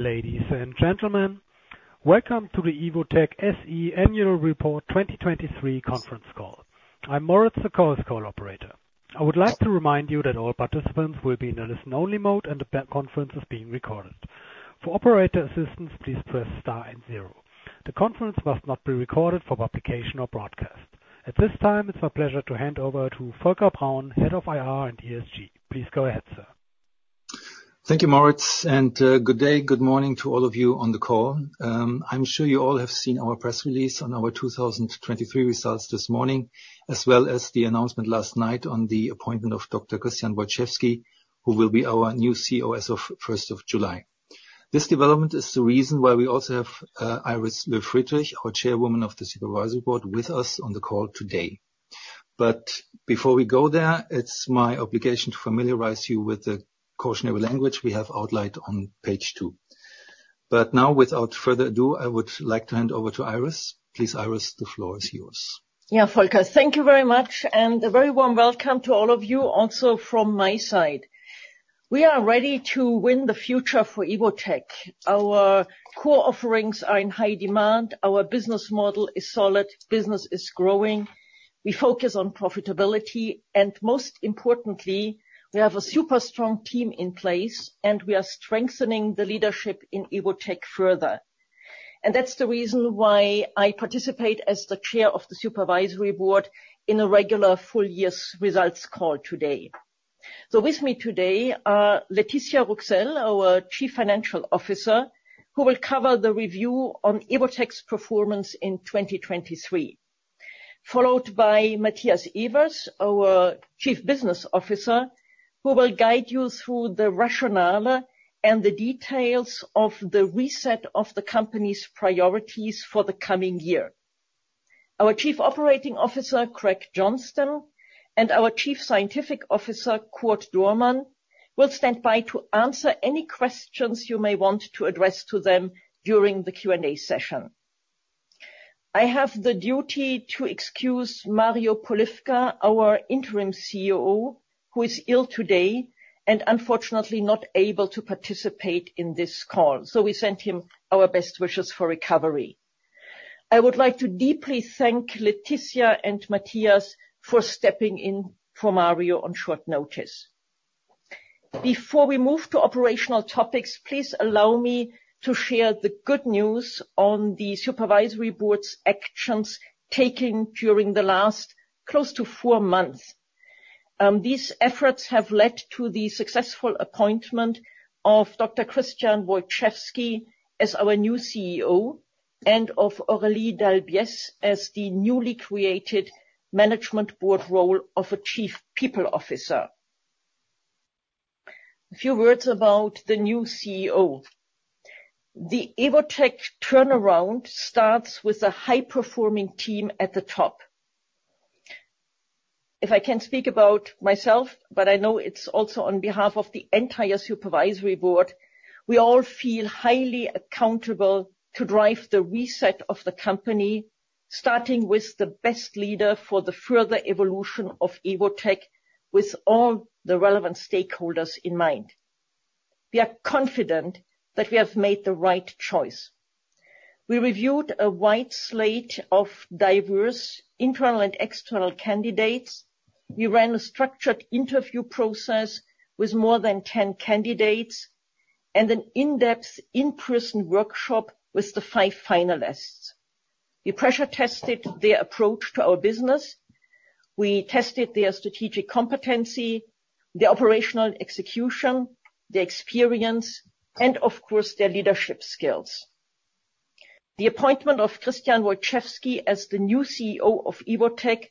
Ladies and gentlemen, welcome to the Evotec SE Annual Report 2023 conference call. I'm Moritz, the call operator. I would like to remind you that all participants will be in a listen-only mode and the conference is being recorded. For operator assistance, please press star and 0. The conference must not be recorded for publication or broadcast. At this time, it's my pleasure to hand over to Volker Braun, head of IR and ESG. Please go ahead, sir. Thank you, Moritz. Good day, good morning to all of you on the call. I'm sure you all have seen our press release on our 2023 results this morning, as well as the announcement last night on the appointment of Dr. Christian Wojczewski, who will be our new CEO of 1st of July. This development is the reason why we also have Iris Löw-Friedrich, our Chairwoman of the Supervisory Board, with us on the call today. Before we go there, it's my obligation to familiarize you with the cautionary language we have outlined on page two. Now, without further ado, I would like to hand over to Iris. Please, Iris, the floor is yours. Yeah, Volker, thank you very much. A very warm welcome to all of you also from my side. We are ready to win the future for Evotec. Our core offerings are in high demand. Our business model is solid. Business is growing. We focus on profitability. Most importantly, we have a super strong team in place, and we are strengthening the leadership in Evotec further. That's the reason why I participate as the Chair of the Supervisory Board in a regular full-year results call today. With me today are Laetitia Rouxel, our Chief Financial Officer, who will cover the review on Evotec's performance in 2023, followed by Matthias Evers, our Chief Business Officer, who will guide you through the rationale and the details of the reset of the company's priorities for the coming year. Our Chief Operating Officer, Craig Johnstone, and our Chief Scientific Officer, Cord Dohrmann, will stand by to answer any questions you may want to address to them during the Q&A session. I have the duty to excuse Mario Polywka, our interim CEO, who is ill today and unfortunately not able to participate in this call, so we send him our best wishes for recovery. I would like to deeply thank Laetitia and Matthias for stepping in for Mario on short notice. Before we move to operational topics, please allow me to share the good news on the supervisory board's actions taken during the last close to four months. These efforts have led to the successful appointment of Dr. Christian Wojczewski as our new CEO and of Aurélie Dalbiez as the newly created management board role of a Chief People Officer. A few words about the new CEO. The Evotec turnaround starts with a high-performing team at the top. If I can speak about myself, but I know it's also on behalf of the entire Supervisory Board, we all feel highly accountable to drive the reset of the company, starting with the best leader for the further evolution of Evotec with all the relevant stakeholders in mind. We are confident that we have made the right choice. We reviewed a wide slate of diverse internal and external candidates. We ran a structured interview process with more than 10 candidates and an in-depth in-person workshop with the five finalists. We pressure-tested their approach to our business. We tested their strategic competency, their operational execution, their experience, and, of course, their leadership skills. The appointment of Christian Wojczewski as the new CEO of Evotec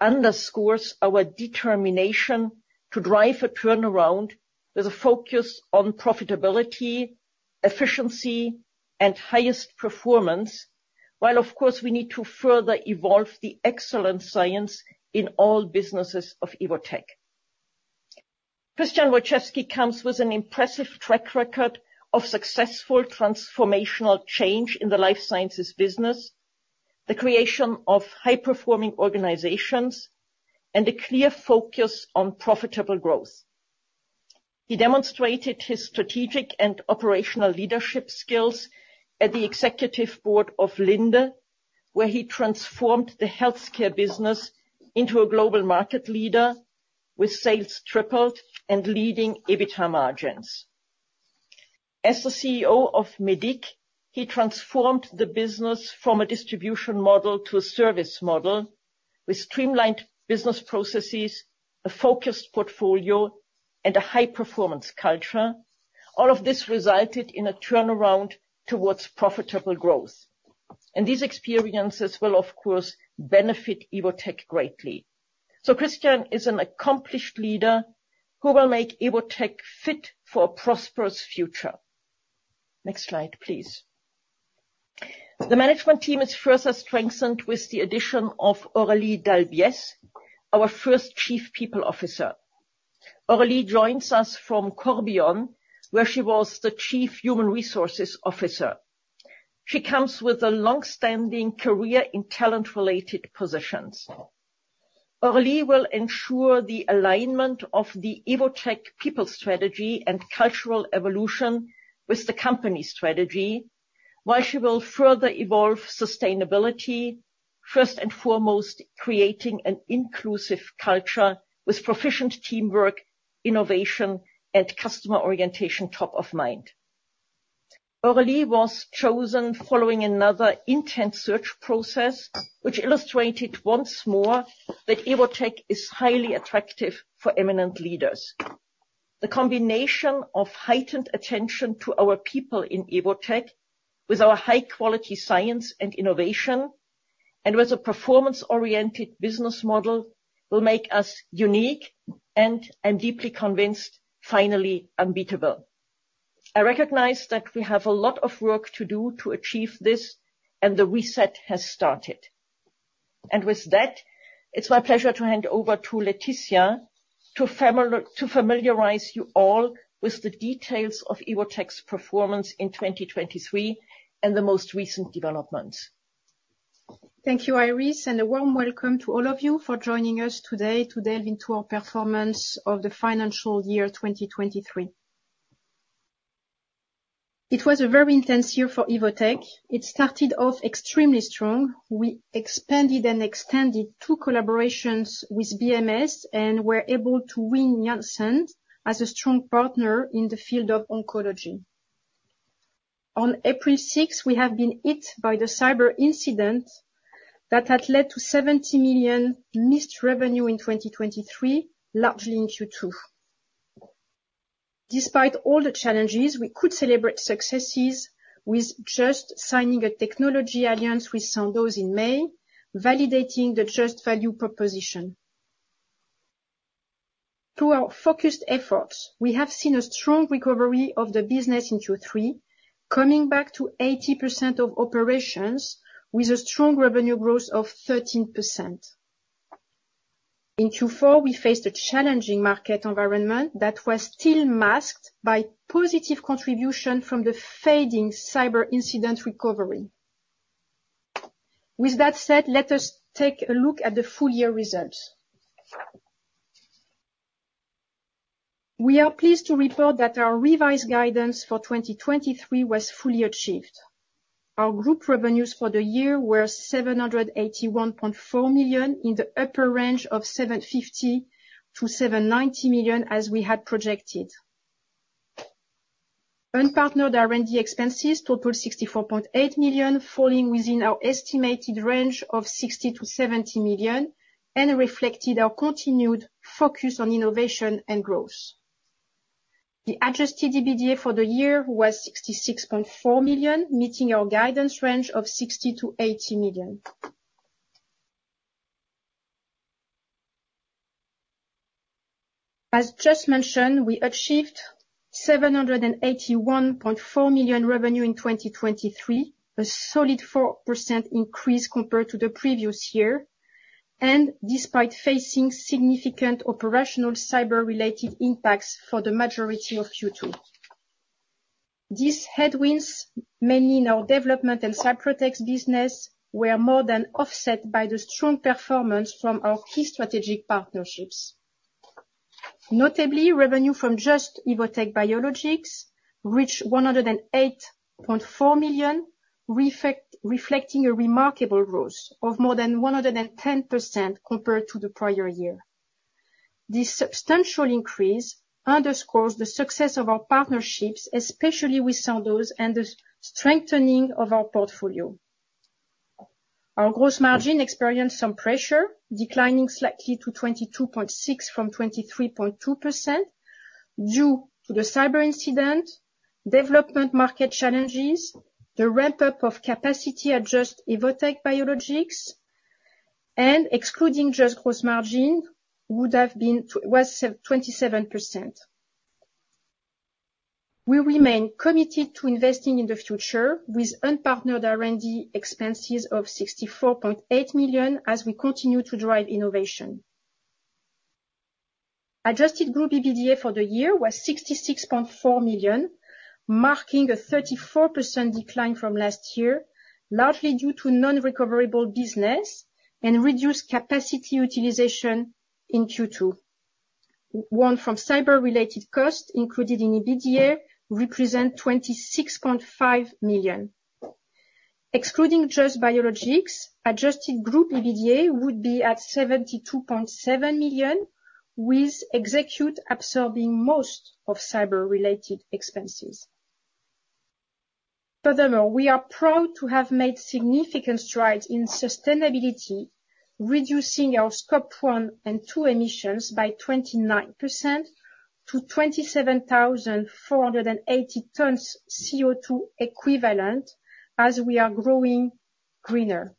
underscores our determination to drive a turnaround with a focus on profitability, efficiency, and highest performance, while, of course, we need to further evolve the excellence science in all businesses of Evotec. Christian Wojczewski comes with an impressive track record of successful transformational change in the life sciences business, the creation of high-performing organizations, and a clear focus on profitable growth. He demonstrated his strategic and operational leadership skills at the executive board of Linde, where he transformed the healthcare business into a global market leader with sales tripled and leading EBITDA margins. As the CEO of Mediq, he transformed the business from a distribution model to a service model with streamlined business processes, a focused portfolio, and a high-performance culture. All of this resulted in a turnaround towards profitable growth. These experiences will, of course, benefit Evotec greatly. So Christian is an accomplished leader who will make Evotec fit for a prosperous future. Next slide, please. The management team is further strengthened with the addition of Aurélie Dalbiez, our first Chief People Officer. Aurélie joins us from Corbion, where she was the Chief Human Resources Officer. She comes with a longstanding career in talent-related positions. Aurélie will ensure the alignment of the Evotec people strategy and cultural evolution with the company strategy, while she will further evolve sustainability, first and foremost creating an inclusive culture with proficient teamwork, innovation, and customer orientation top of mind. Aurélie was chosen following another intense search process, which illustrated once more that Evotec is highly attractive for eminent leaders. The combination of heightened attention to our people in Evotec with our high-quality science and innovation and with a performance-oriented business model will make us unique and, I'm deeply convinced, finally unbeatable. I recognize that we have a lot of work to do to achieve this, and the reset has started. With that, it's my pleasure to hand over to Laetitia to familiarize you all with the details of Evotec's performance in 2023 and the most recent developments. Thank you, Iris. A warm welcome to all of you for joining us today to delve into our performance of the financial year 2023. It was a very intense year for Evotec. It started off extremely strong. We expanded and extended two collaborations with BMS and were able to win Janssen as a strong partner in the field of oncology. On April 6th, we have been hit by the cyber incident that had led to 70 million missed revenue in 2023, largely in Q2. Despite all the challenges, we could celebrate successes with just signing a technology alliance with Sandoz in May, validating the just value proposition. Through our focused efforts, we have seen a strong recovery of the business in Q3, coming back to 80% of operations with a strong revenue growth of 13%. In Q4, we faced a challenging market environment that was still masked by positive contribution from the fading cyber incident recovery. With that said, let us take a look at the full-year results. We are pleased to report that our revised guidance for 2023 was fully achieved. Our group revenues for the year were 781.4 million, in the upper range of 750 million-790 million as we had projected. Unpartnered R&D expenses totaled 64.8 million, falling within our estimated range of 60 million-70 million, and reflected our continued focus on innovation and growth. The adjusted EBITDA for the year was 66.4 million, meeting our guidance range of 60 million-80 million. As just mentioned, we achieved 781.4 million revenue in 2023, a solid 4% increase compared to the previous year, and despite facing significant operational cyber-related impacts for the majority of Q2. These headwinds, mainly in our development and Cyprotex business, were more than offset by the strong performance from our key strategic partnerships. Notably, revenue from Just-Evotec Biologics reached 108.4 million, reflecting a remarkable growth of more than 110% compared to the prior year. This substantial increase underscores the success of our partnerships, especially with Sandoz and the strengthening of our portfolio. Our gross margin experienced some pressure, declining slightly to 22.6% from 23.2% due to the cyber incident, development market challenges, the ramp-up of capacity at Just – Evotec Biologics, and excluding Just – Evotec Biologics gross margin, would have been 27%. We remain committed to investing in the future with unpartnered R&D expenses of 64.8 million as we continue to drive innovation. Adjusted group EBITDA for the year was 66.4 million, marking a 34% decline from last year, largely due to non-recoverable business and reduced capacity utilization in Q2, of which cyber-related costs included in EBITDA represent 26.5 million. Excluding Just – Evotec Biologics, adjusted group EBITDA would be at 72.7 million, with Evotec absorbing most of cyber-related expenses. Furthermore, we are proud to have made significant strides in sustainability, reducing our Scope 1 and 2 emissions by 29% to 27,480 tons CO2 equivalent as we are growing greener.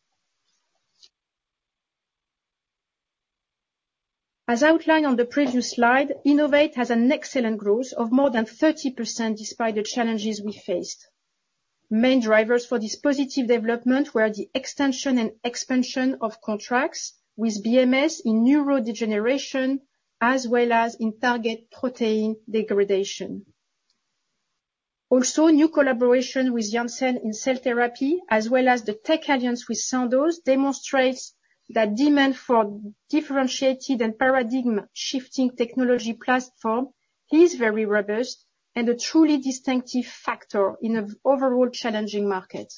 As outlined on the previous slide, Innovate has an excellent growth of more than 30% despite the challenges we faced. Main drivers for this positive development were the extension and expansion of contracts with BMS in neurodegeneration as well as in target protein degradation. Also, new collaboration with Janssen in cell therapy as well as the tech alliance with Sandoz demonstrates that demand for differentiated and paradigm-shifting technology platforms is very robust and a truly distinctive factor in an overall challenging market.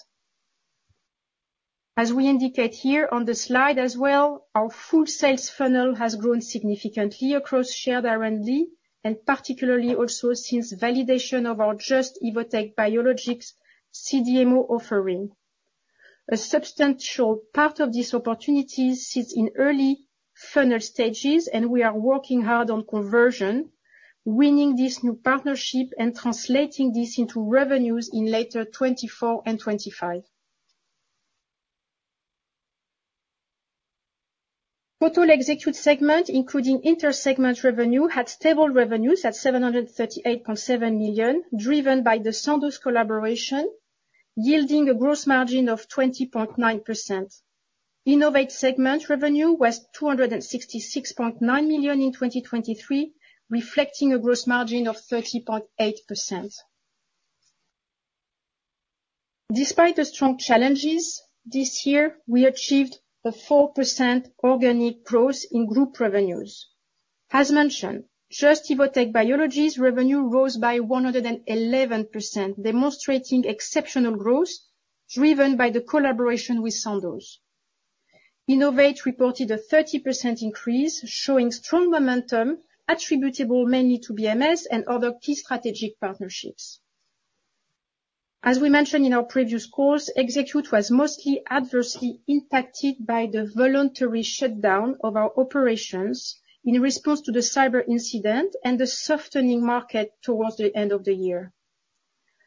As we indicate here on the slide as well, our full-sales funnel has grown significantly across Shared R&D, and particularly also since validation of our Just – Evotec Biologics CDMO offering. A substantial part of these opportunities sits in early funnel stages, and we are working hard on conversion, winning this new partnership and translating this into revenues in later 2024 and 2025. Total Execute segment, including intersegment revenue, had stable revenues at 738.7 million, driven by the Sandoz collaboration, yielding a gross margin of 20.9%. Innovate segment revenue was 266.9 million in 2023, reflecting a gross margin of 30.8%. Despite the strong challenges this year, we achieved a 4% organic growth in group revenues. As mentioned, Just – Evotec Biologics revenue rose by 111%, demonstrating exceptional growth driven by the collaboration with Sandoz. Innovate reported a 30% increase, showing strong momentum attributable mainly to BMS and other key strategic partnerships. As we mentioned in our previous call, Execute was mostly adversely impacted by the voluntary shutdown of our operations in response to the cyber incident and the softening market towards the end of the year.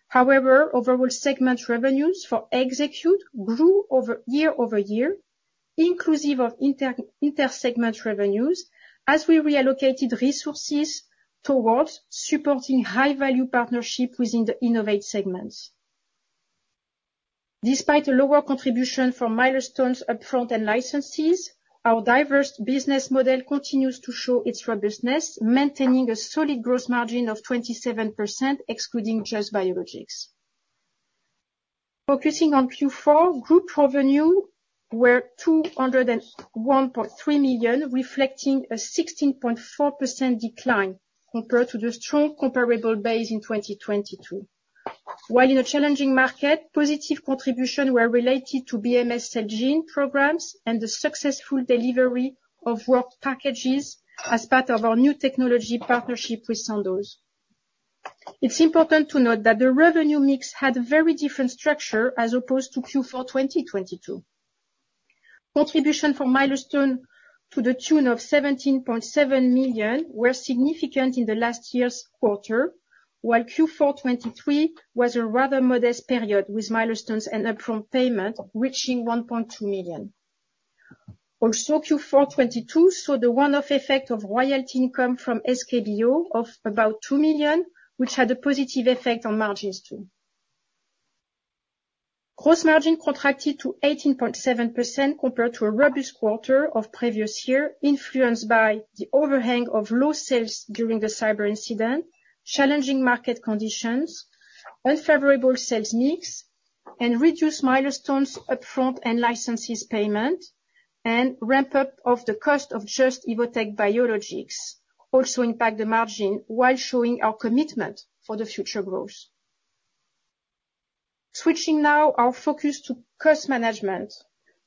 However, overall segment revenues for Execute grew year-over-year, inclusive of intersegment revenues, as we reallocated resources towards supporting high-value partnerships within the Innovate segments. Despite a lower contribution from milestones upfront and licenses, our diverse business model continues to show its robustness, maintaining a solid gross margin of 27% excluding just biologics. Focusing on Q4, group revenue were 201.3 million, reflecting a 16.4% decline compared to the strong comparable base in 2022. While in a challenging market, positive contributions were related to BMS Celgene programs and the successful delivery of work packages as part of our new technology partnership with Sandoz. It's important to note that the revenue mix had a very different structure as opposed to Q4 2022. Contribution from milestone to the tune of 17.7 million were significant in the last year's quarter, while Q4 2023 was a rather modest period with milestones and upfront payment reaching 1.2 million. Also, Q4 2022 saw the one-off effect of royalty income from SK Bio of about 2 million, which had a positive effect on margins too. Gross margin contracted to 18.7% compared to a robust quarter of previous year, influenced by the overhang of low sales during the cyber incident, challenging market conditions, unfavorable sales mix, and reduced milestones upfront and license payments, and ramp-up of the costs of Just – Evotec Biologics also impacted the margin while showing our commitment for the future growth. Switching now our focus to cost management,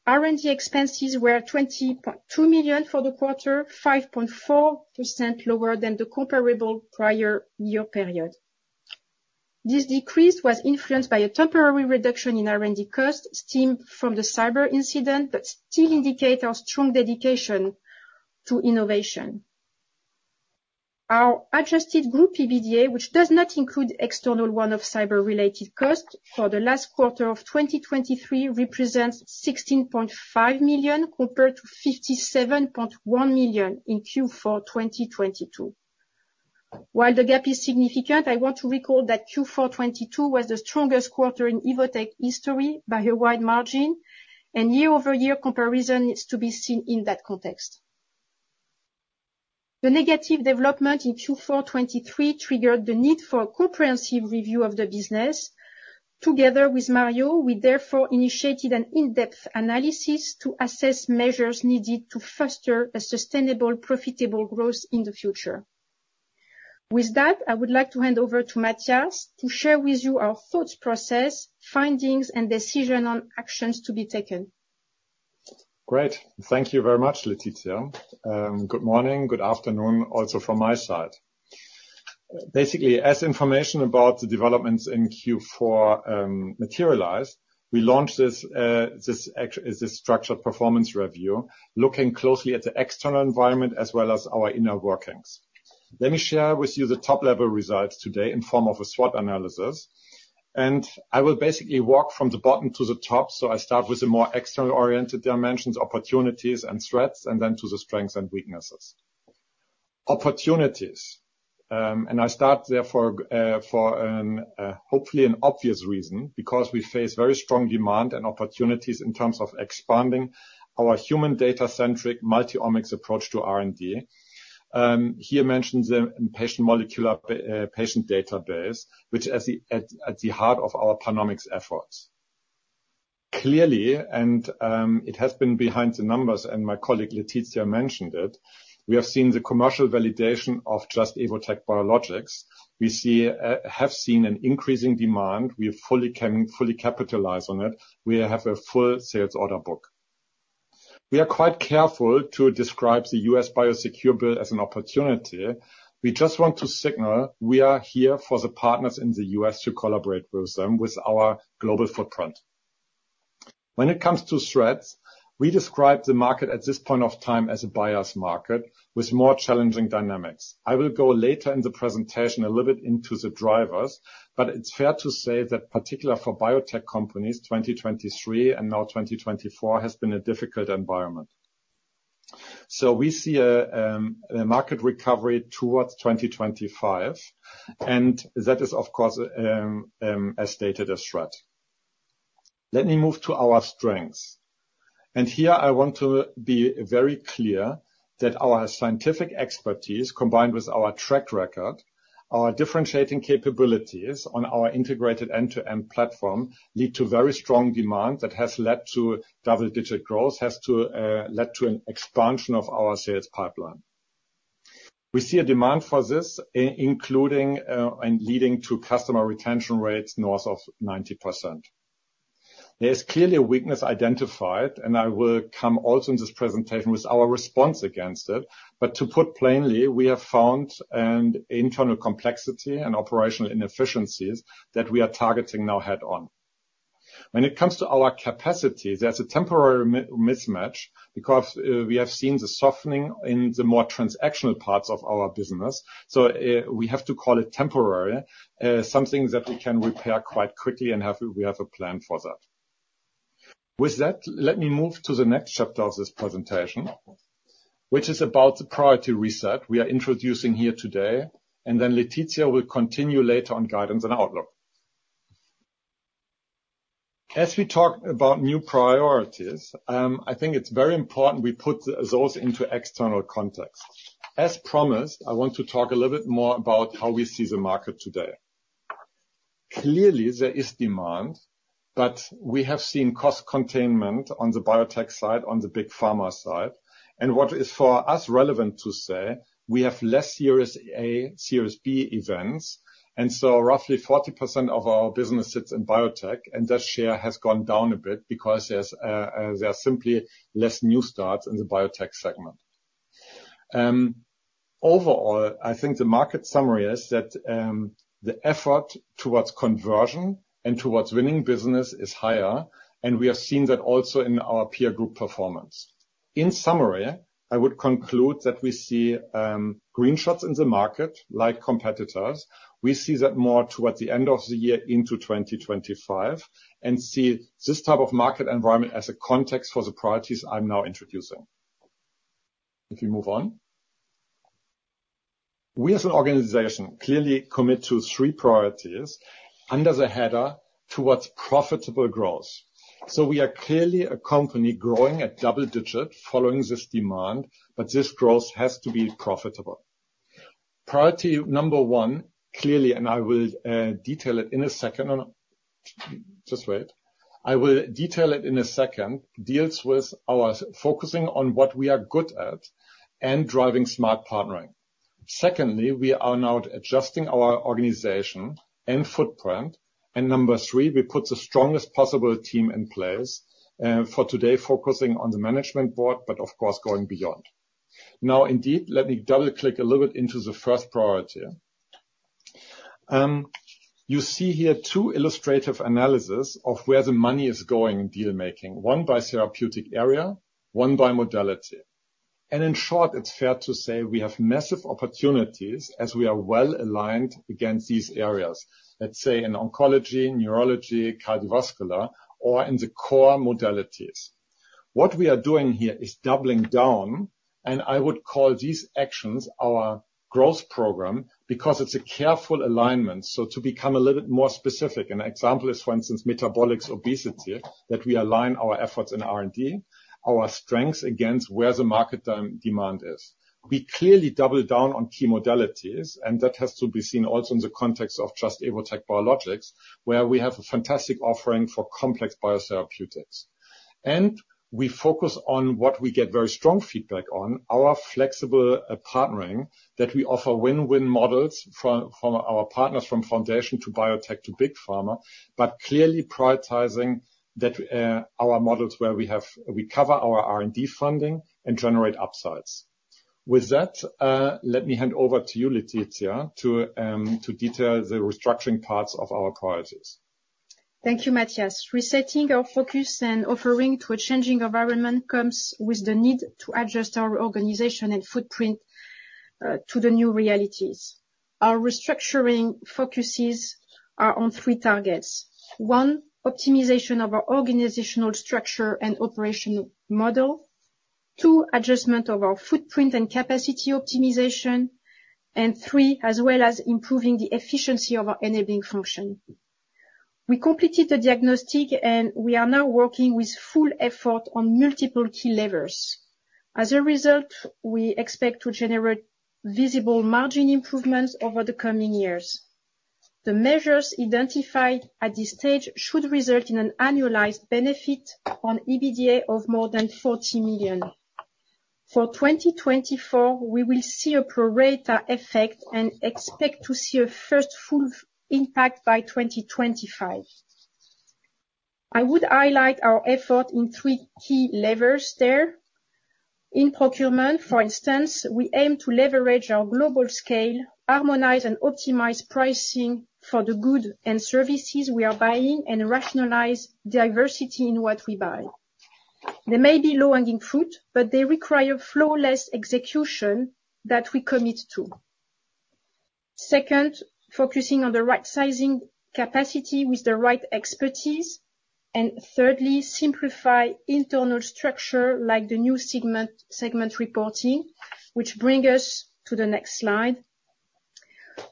R&D expenses were 20.2 million for the quarter, 5.4% lower than the comparable prior year period. This decrease was influenced by a temporary reduction in R&D costs stemming from the cyber incident but still indicates our strong dedication to innovation. Our adjusted group EBITDA, which does not include external one-off cyber-related costs for the last quarter of 2023, represents 16.5 million compared to 57.1 million in Q4 2022. While the gap is significant, I want to recall that Q4 2022 was the strongest quarter in Evotec history by a wide margin, and year-over-year comparison is to be seen in that context. The negative development in Q4 2023 triggered the need for a comprehensive review of the business. Together with Mario, we therefore initiated an in-depth analysis to assess measures needed to foster a sustainable, profitable growth in the future. With that, I would like to hand over to Matthias to share with you our thought process, findings, and decision on actions to be taken. Great. Thank you very much, Laetitia. Good morning. Good afternoon also from my side. Basically, as information about the developments in Q4 materialized, we launched this structured performance review looking closely at the external environment as well as our inner workings. Let me share with you the top-level results today in the form of a SWOT analysis. I will basically walk from the bottom to the top. I start with the more external-oriented dimensions, opportunities and threats, and then to the strengths and weaknesses. Opportunities. I start therefore for hopefully an obvious reason because we face very strong demand and opportunities in terms of expanding our human-data-centric multi-omics approach to R&D. Here mentioned the molecular patient database, which is at the heart of our PanOmics efforts. Clearly, it has been behind the numbers, and my colleague Laetitia mentioned it, we have seen the commercial validation of Just – Evotec Biologics. We have seen an increasing demand. We have fully capitalized on it. We have a full sales order book. We are quite careful to describe the U.S. Biosecure bill as an opportunity. We just want to signal we are here for the partners in the U.S. to collaborate with them with our global footprint. When it comes to threats, we describe the market at this point of time as a bearish market with more challenging dynamics. I will go later in the presentation a little bit into the drivers, but it's fair to say that particularly for biotech companies, 2023 and now 2024 has been a difficult environment. So we see a market recovery towards 2025, and that is, of course, as stated, a threat. Let me move to our strengths. Here, I want to be very clear that our scientific expertise combined with our track record, our differentiating capabilities on our integrated end-to-end platform lead to very strong demand that has led to double-digit growth, has led to an expansion of our sales pipeline. We see a demand for this including and leading to customer retention rates north of 90%. There is clearly a weakness identified, and I will come also in this presentation with our response against it. To put plainly, we have found an internal complexity and operational inefficiencies that we are targeting now head-on. When it comes to our capacity, there's a temporary mismatch because we have seen the softening in the more transactional parts of our business. We have to call it temporary, something that we can repair quite quickly, and we have a plan for that. With that, let me move to the next chapter of this presentation, which is about the priority reset we are introducing here today. Then Laetitia will continue later on guidance and outlook. As we talk about new priorities, I think it's very important we put those into external context. As promised, I want to talk a little bit more about how we see the market today. Clearly, there is demand, but we have seen cost containment on the biotech side, on the big pharma side. What is for us relevant to say, we have less Series A, Series B events. So roughly 40% of our business sits in biotech, and that share has gone down a bit because there are simply less new starts in the biotech segment. Overall, I think the market summary is that the effort towards conversion and towards winning business is higher, and we have seen that also in our peer group performance. In summary, I would conclude that we see green shoots in the market like competitors. We see that more towards the end of the year into 2025 and see this type of market environment as a context for the priorities I'm now introducing. If we move on. We as an organization clearly commit to three priorities under the header towards profitable growth. So we are clearly a company growing at double-digit following this demand, but this growth has to be profitable. Priority number one, clearly, and I will detail it in a second. Just wait. I will detail it in a second. Deals with focusing on what we are good at and driving smart partnering. Secondly, we are now adjusting our organization and footprint. Number three, we put the strongest possible team in place for today, focusing on the management board, but of course, going beyond. Now, indeed, let me double-click a little bit into the first priority. You see here two illustrative analyses of where the money is going in deal-making, one by therapeutic area, one by modality. In short, it's fair to say we have massive opportunities as we are well aligned against these areas, let's say in oncology, neurology, cardiovascular, or in the core modalities. What we are doing here is doubling down, and I would call these actions our growth program because it's a careful alignment. To become a little bit more specific, an example is, for instance, metabolic obesity, that we align our efforts in R&D, our strengths against where the market demand is. We clearly double down on key modalities, and that has to be seen also in the context of Just – Evotec Biologics, where we have a fantastic offering for complex biotherapeutics. We focus on what we get very strong feedback on, our flexible partnering that we offer win-win models from our partners from foundation to biotech to big pharma, but clearly prioritizing our models where we cover our R&D funding and generate upsides. With that, let me hand over to you, Laetitia, to detail the restructuring parts of our priorities. Thank you, Matthias. Resetting our focus and offering to a changing environment comes with the need to adjust our organization and footprint to the new realities. Our restructuring focuses are on three targets. One, optimization of our organizational structure and operational model. Two, adjustment of our footprint and capacity optimization. And three, as well as improving the efficiency of our enabling function. We completed the diagnostic, and we are now working with full effort on multiple key levers. As a result, we expect to generate visible margin improvements over the coming years. The measures identified at this stage should result in an annualized benefit on EBITDA of more than 40 million. For 2024, we will see a prorata effect and expect to see a first full impact by 2025. I would highlight our effort in three key levers there. In procurement, for instance, we aim to leverage our global scale, harmonize and optimize pricing for the goods and services we are buying, and rationalize diversity in what we buy. They may be low-hanging fruit, but they require flawless execution that we commit to. Second, focusing on the right-sizing capacity with the right expertise. And thirdly, simplify internal structure like the new segment reporting, which brings us to the next slide,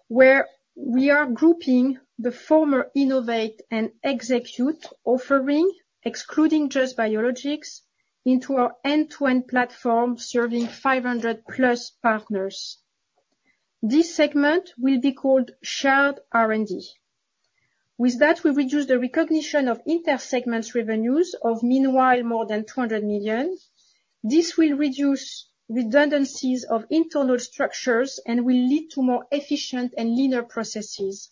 where we are grouping the former innovate and execute offering, excluding just biologics, into our end-to-end platform serving 500+ partners. This segment will be called Shared R&D. With that, we reduce the recognition of intersegments revenues of, meanwhile, more than 200 million. This will reduce redundancies of internal structures and will lead to more efficient and leaner processes.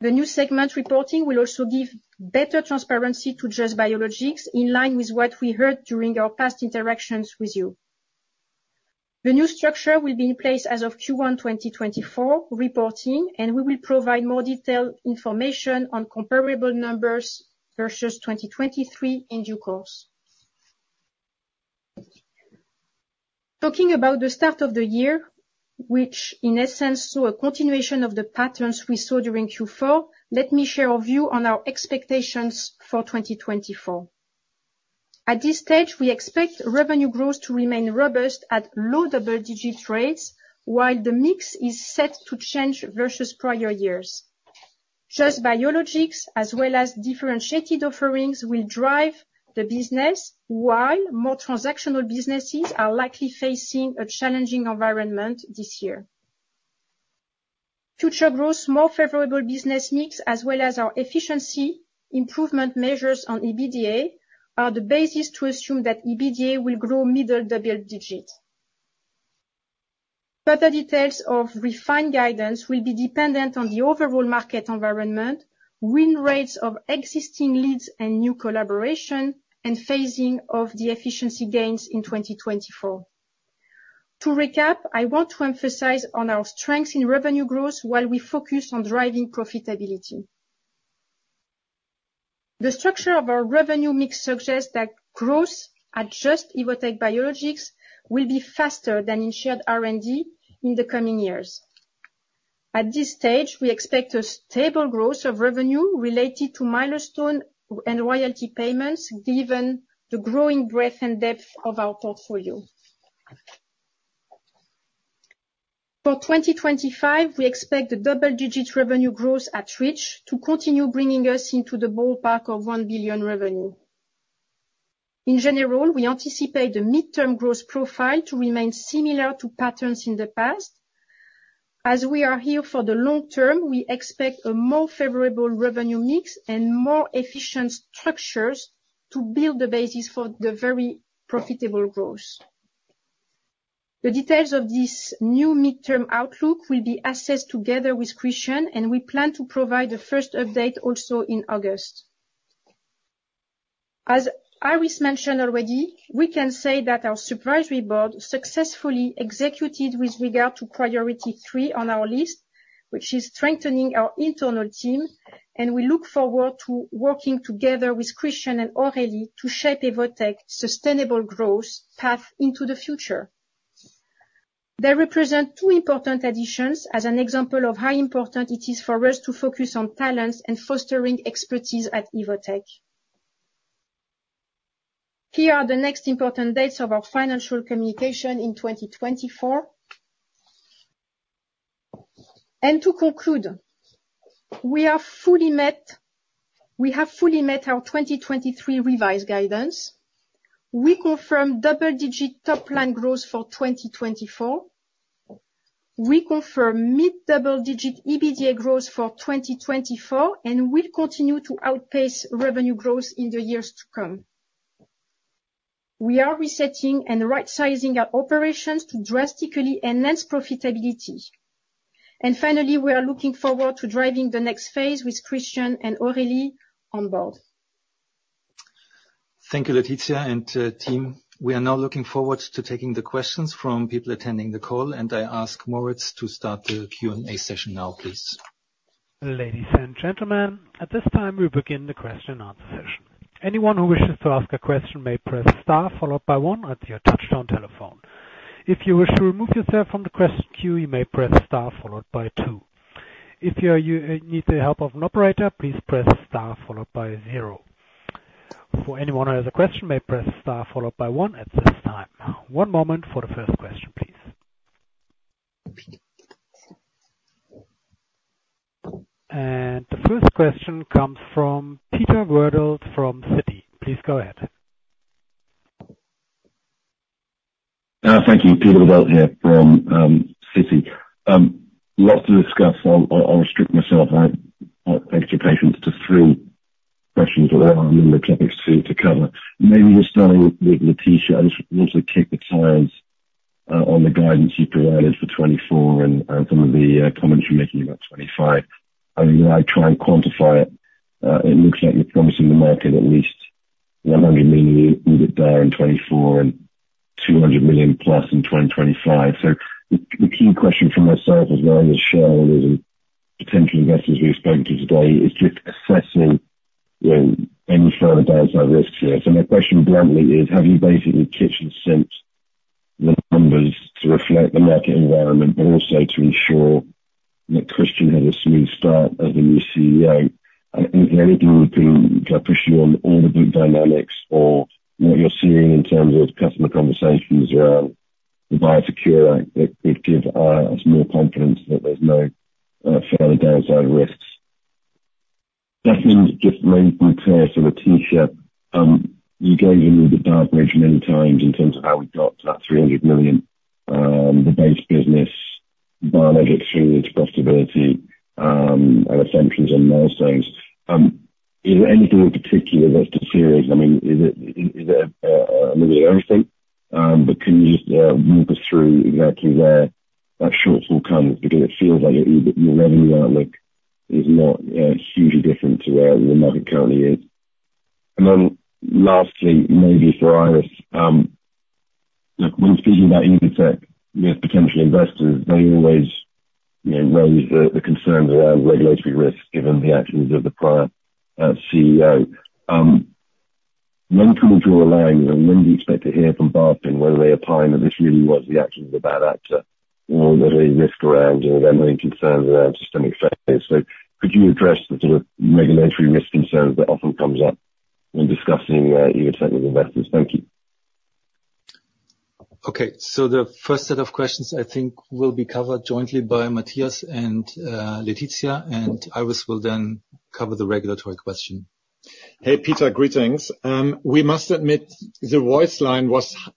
The new segment reporting will also give better transparency to Just Biologics in line with what we heard during our past interactions with you. The new structure will be in place as of Q1 2024 reporting, and we will provide more detailed information on comparable numbers versus 2023 in due course. Talking about the start of the year, which in essence saw a continuation of the patterns we saw during Q4, let me share a view on our expectations for 2024. At this stage, we expect revenue growth to remain robust at low double-digit rates while the mix is set to change versus prior years. Just Biologics as well as differentiated offerings will drive the business while more transactional businesses are likely facing a challenging environment this year. Future growth, more favorable business mix, as well as our efficiency improvement measures on EBITDA are the basis to assume that EBITDA will grow middle double digit. Further details of refined guidance will be dependent on the overall market environment, win rates of existing leads and new collaboration, and phasing of the efficiency gains in 2024. To recap, I want to emphasize our strengths in revenue growth while we focus on driving profitability. The structure of our revenue mix suggests that growth at Just – Evotec Biologics will be faster than in Shared R&D in the coming years. At this stage, we expect a stable growth of revenue related to milestone and royalty payments given the growing breadth and depth of our portfolio. For 2025, we expect the double-digit revenue growth at Evotec to continue bringing us into the ballpark of 1 billion revenue. In general, we anticipate the midterm growth profile to remain similar to patterns in the past. As we are here for the long term, we expect a more favorable revenue mix and more efficient structures to build the basis for the very profitable growth. The details of this new midterm outlook will be assessed together with Christian, and we plan to provide the first update also in August. As Iris mentioned already, we can say that our supervisory board successfully executed with regard to priority three on our list, which is strengthening our internal team. We look forward to working together with Christian and Aurélie to shape Evotec's sustainable growth path into the future. They represent two important additions as an example of how important it is for us to focus on talents and fostering expertise at Evotec. Here are the next important dates of our financial communication in 2024. To conclude, we have fully met our 2023 revised guidance. We confirm double-digit top-line growth for 2024. We confirm mid-double-digit EBITDA growth for 2024 and will continue to outpace revenue growth in the years to come. We are resetting and right-sizing our operations to drastically enhance profitability. Finally, we are looking forward to driving the next phase with Christian and Aurélie on board. Thank you, Laetitia and team. We are now looking forward to taking the questions from people attending the call. I ask Moritz to start the Q&A session now, please. Ladies and gentlemen, at this time, we begin the question-and-answer session. Anyone who wishes to ask a question may press star followed by one on your touch-tone telephone. If you wish to remove yourself from the question queue, you may press star followed by two. If you need the help of an operator, please press star followed by 0. For anyone who has a question, may press star followed by one at this time. One moment for the first question, please. The first question comes from Peter Verdult from Citi. Please go ahead. Thank you. Peter Verdult here from Citi. Lots to discuss. I'll restrict myself. I'd like to take your patience to three questions or a number of topics to cover. Maybe just starting with Laetitia. I just want to kick the tires on the guidance you provided for 2024 and some of the comments you're making about 2025. I mean, when I try and quantify it, it looks like you're promising the market at least 100 million there in 2024 and 200 million+ in 2025. So the key question for myself as well as Sharon and potential investors we've spoken to today is just assessing any further downside risks here. So my question bluntly is, have you basically kitchen-sinked the numbers to reflect the market environment but also to ensure that Christian has a smooth start as the new CEO? Is there anything you can push back on, all the big dynamics or what you're seeing in terms of customer conversations around the Biosecure Act that could give us more confidence that there's no further downside risks? Just to make it clear for Laetitia, you gave me the dark bridge many times in terms of how we got to that 300 million, the base business, biologics through its profitability, and assumptions on milestones. Is there anything in particular that's deteriorating? I mean, is it a little bit of everything? But can you just walk us through exactly where that shortfall comes because it feels like your revenue outlook is not hugely different to where the market currently is? And then lastly, maybe for Iris, when speaking about Evotec with potential investors, they always raise the concerns around regulatory risks given the actions of the prior CEO. When can we draw a line? When do you expect to hear from BaFin whether they opine that this really was the actions of a bad actor or that there's a risk around or they're having concerns around systemic failures? So could you address the sort of regulatory risk concerns that often come up when discussing Evotec with investors? Thank you. Okay. So the first set of questions, I think, will be covered jointly by Matthias and Laetitia. And Iris will then cover the regulatory question. Hey, Peter. Greetings. We must admit, the voice line,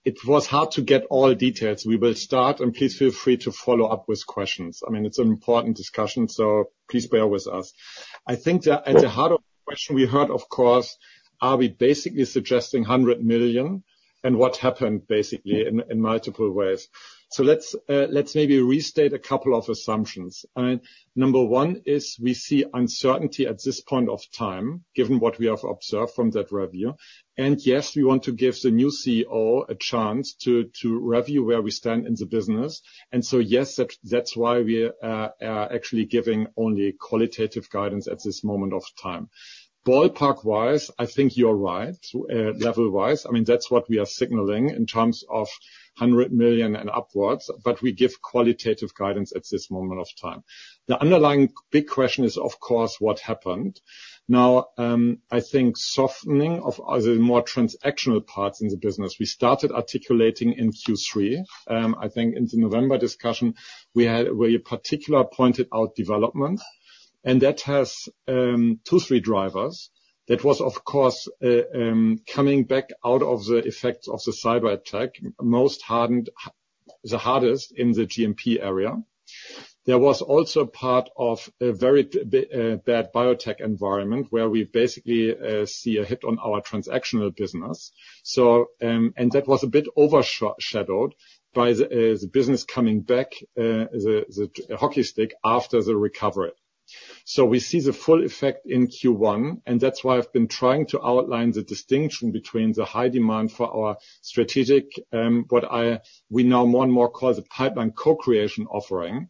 it was hard to get all details. We will start, and please feel free to follow up with questions. I mean, it's an important discussion, so please bear with us. I think at the heart of the question we heard, of course, are we basically suggesting 100 million and what happened basically in multiple ways? So let's maybe restate a couple of assumptions. Number one is we see uncertainty at this point of time given what we have observed from that review. And yes, we want to give the new CEO a chance to review where we stand in the business. And so yes, that's why we are actually giving only qualitative guidance at this moment of time. Ballpark-wise, I think you're right level-wise. I mean, that's what we are signaling in terms of 100 million and upwards. But we give qualitative guidance at this moment of time. The underlying big question is, of course, what happened? Now, I think softening of the more transactional parts in the business. We started articulating in Q3. I think in the November discussion, we had a particularly pointed out development. And that has two, three drivers. That was, of course, coming back out of the effects of the cyberattack, the hardest in the GMP area. There was also part of a very bad biotech environment where we basically see a hit on our transactional business. And that was a bit overshadowed by the business coming back the hockey stick after the recovery. So we see the full effect in Q1. And that's why I've been trying to outline the distinction between the high demand for our strategic, what we now more and more call the pipeline co-creation offering.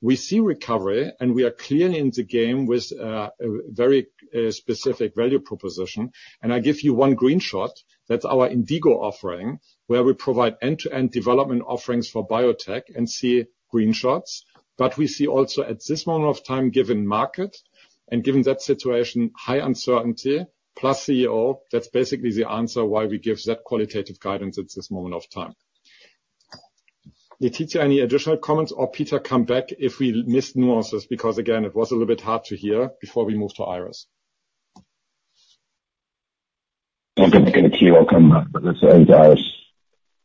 We see recovery, and we are clearly in the game with a very specific value proposition. And I give you one green shot. That's our INDiGO offering where we provide end-to-end development offerings for biotech and see green shots. But we see also at this moment of time, given market and given that situation, high uncertainty plus CEO. That's basically the answer why we give that qualitative guidance at this moment of time. Laetitia, any additional comments? Or Peter, come back if we missed nuances because, again, it was a little bit hard to hear before we moved to Iris. I'm going to kick it to you. I'll come back. But let's go to Iris.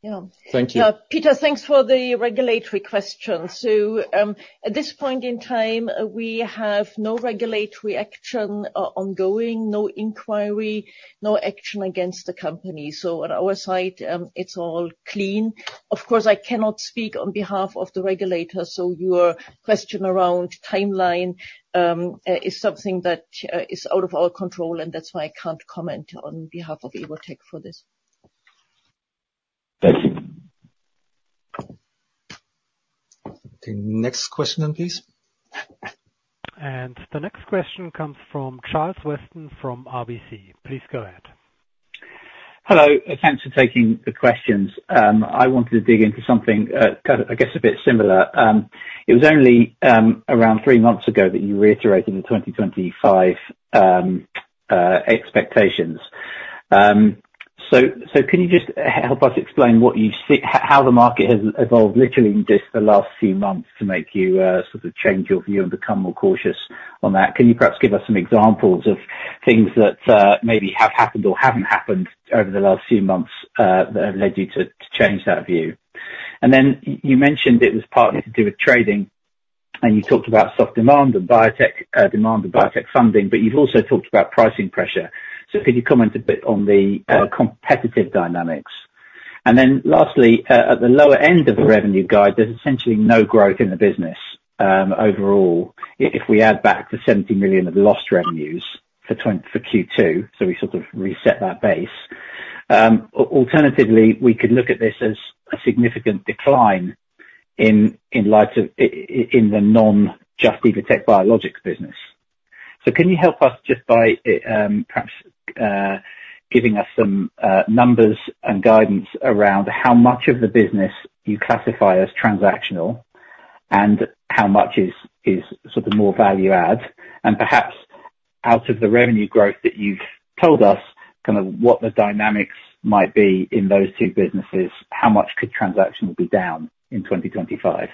Yeah. Thank you. Peter, thanks for the regulatory question. So at this point in time, we have no regulatory action ongoing, no inquiry, no action against the company. So on our side, it's all clean. Of course, I cannot speak on behalf of the regulators. So your question around timeline is something that is out of our control. And that's why I can't comment on behalf of Evotec for this. Thank you. The next question then, please. The next question comes from Charles Weston from RBC. Please go ahead. Hello. Thanks for taking the questions. I wanted to dig into something, I guess, a bit similar. It was only around three months ago that you reiterated the 2025 expectations. So can you just help us explain how the market has evolved literally in just the last few months to make you sort of change your view and become more cautious on that? Can you perhaps give us some examples of things that maybe have happened or haven't happened over the last few months that have led you to change that view? And then you mentioned it was partly to do with trading. And you talked about soft demand and biotech demand and biotech funding. But you've also talked about pricing pressure. So could you comment a bit on the competitive dynamics? Then lastly, at the lower end of the revenue guide, there's essentially no growth in the business overall if we add back the 70 million of lost revenues for Q2. So we sort of reset that base. Alternatively, we could look at this as a significant decline in light of the non-Just Evotec Biologics business. So can you help us just by perhaps giving us some numbers and guidance around how much of the business you classify as transactional and how much is sort of more value-add? And perhaps out of the revenue growth that you've told us, kind of what the dynamics might be in those two businesses, how much could transactional be down in 2025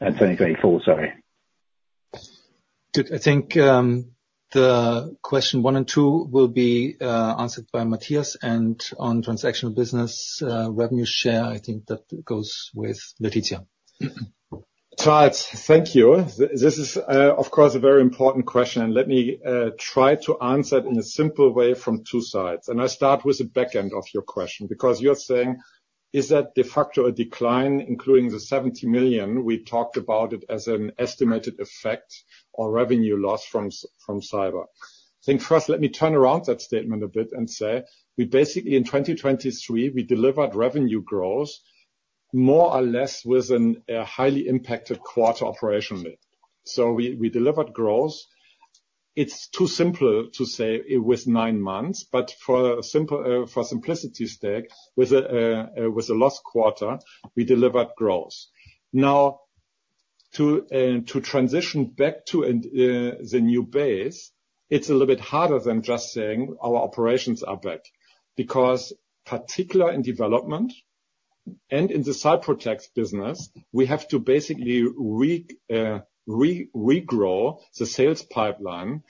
and 2024, sorry? Good. I think the question one and two will be answered by Matthias. On transactional business revenue share, I think that goes with Laetitia. Charles, thank you. This is, of course, a very important question. And let me try to answer it in a simple way from two sides. And I start with the backend of your question because you're saying, is that de facto a decline, including the 70 million? We talked about it as an estimated effect or revenue loss from cyber. I think first, let me turn around that statement a bit and say, in 2023, we delivered revenue growth more or less with a highly impacted quarter operationally. So we delivered growth. It's too simple to say it was nine months. But for simplicity's sake, with a lost quarter, we delivered growth. Now, to transition back to the new base, it's a little bit harder than just saying our operations are back because, particularly in development and in the Cyprotex business, we have to basically regrow the sales pipeline.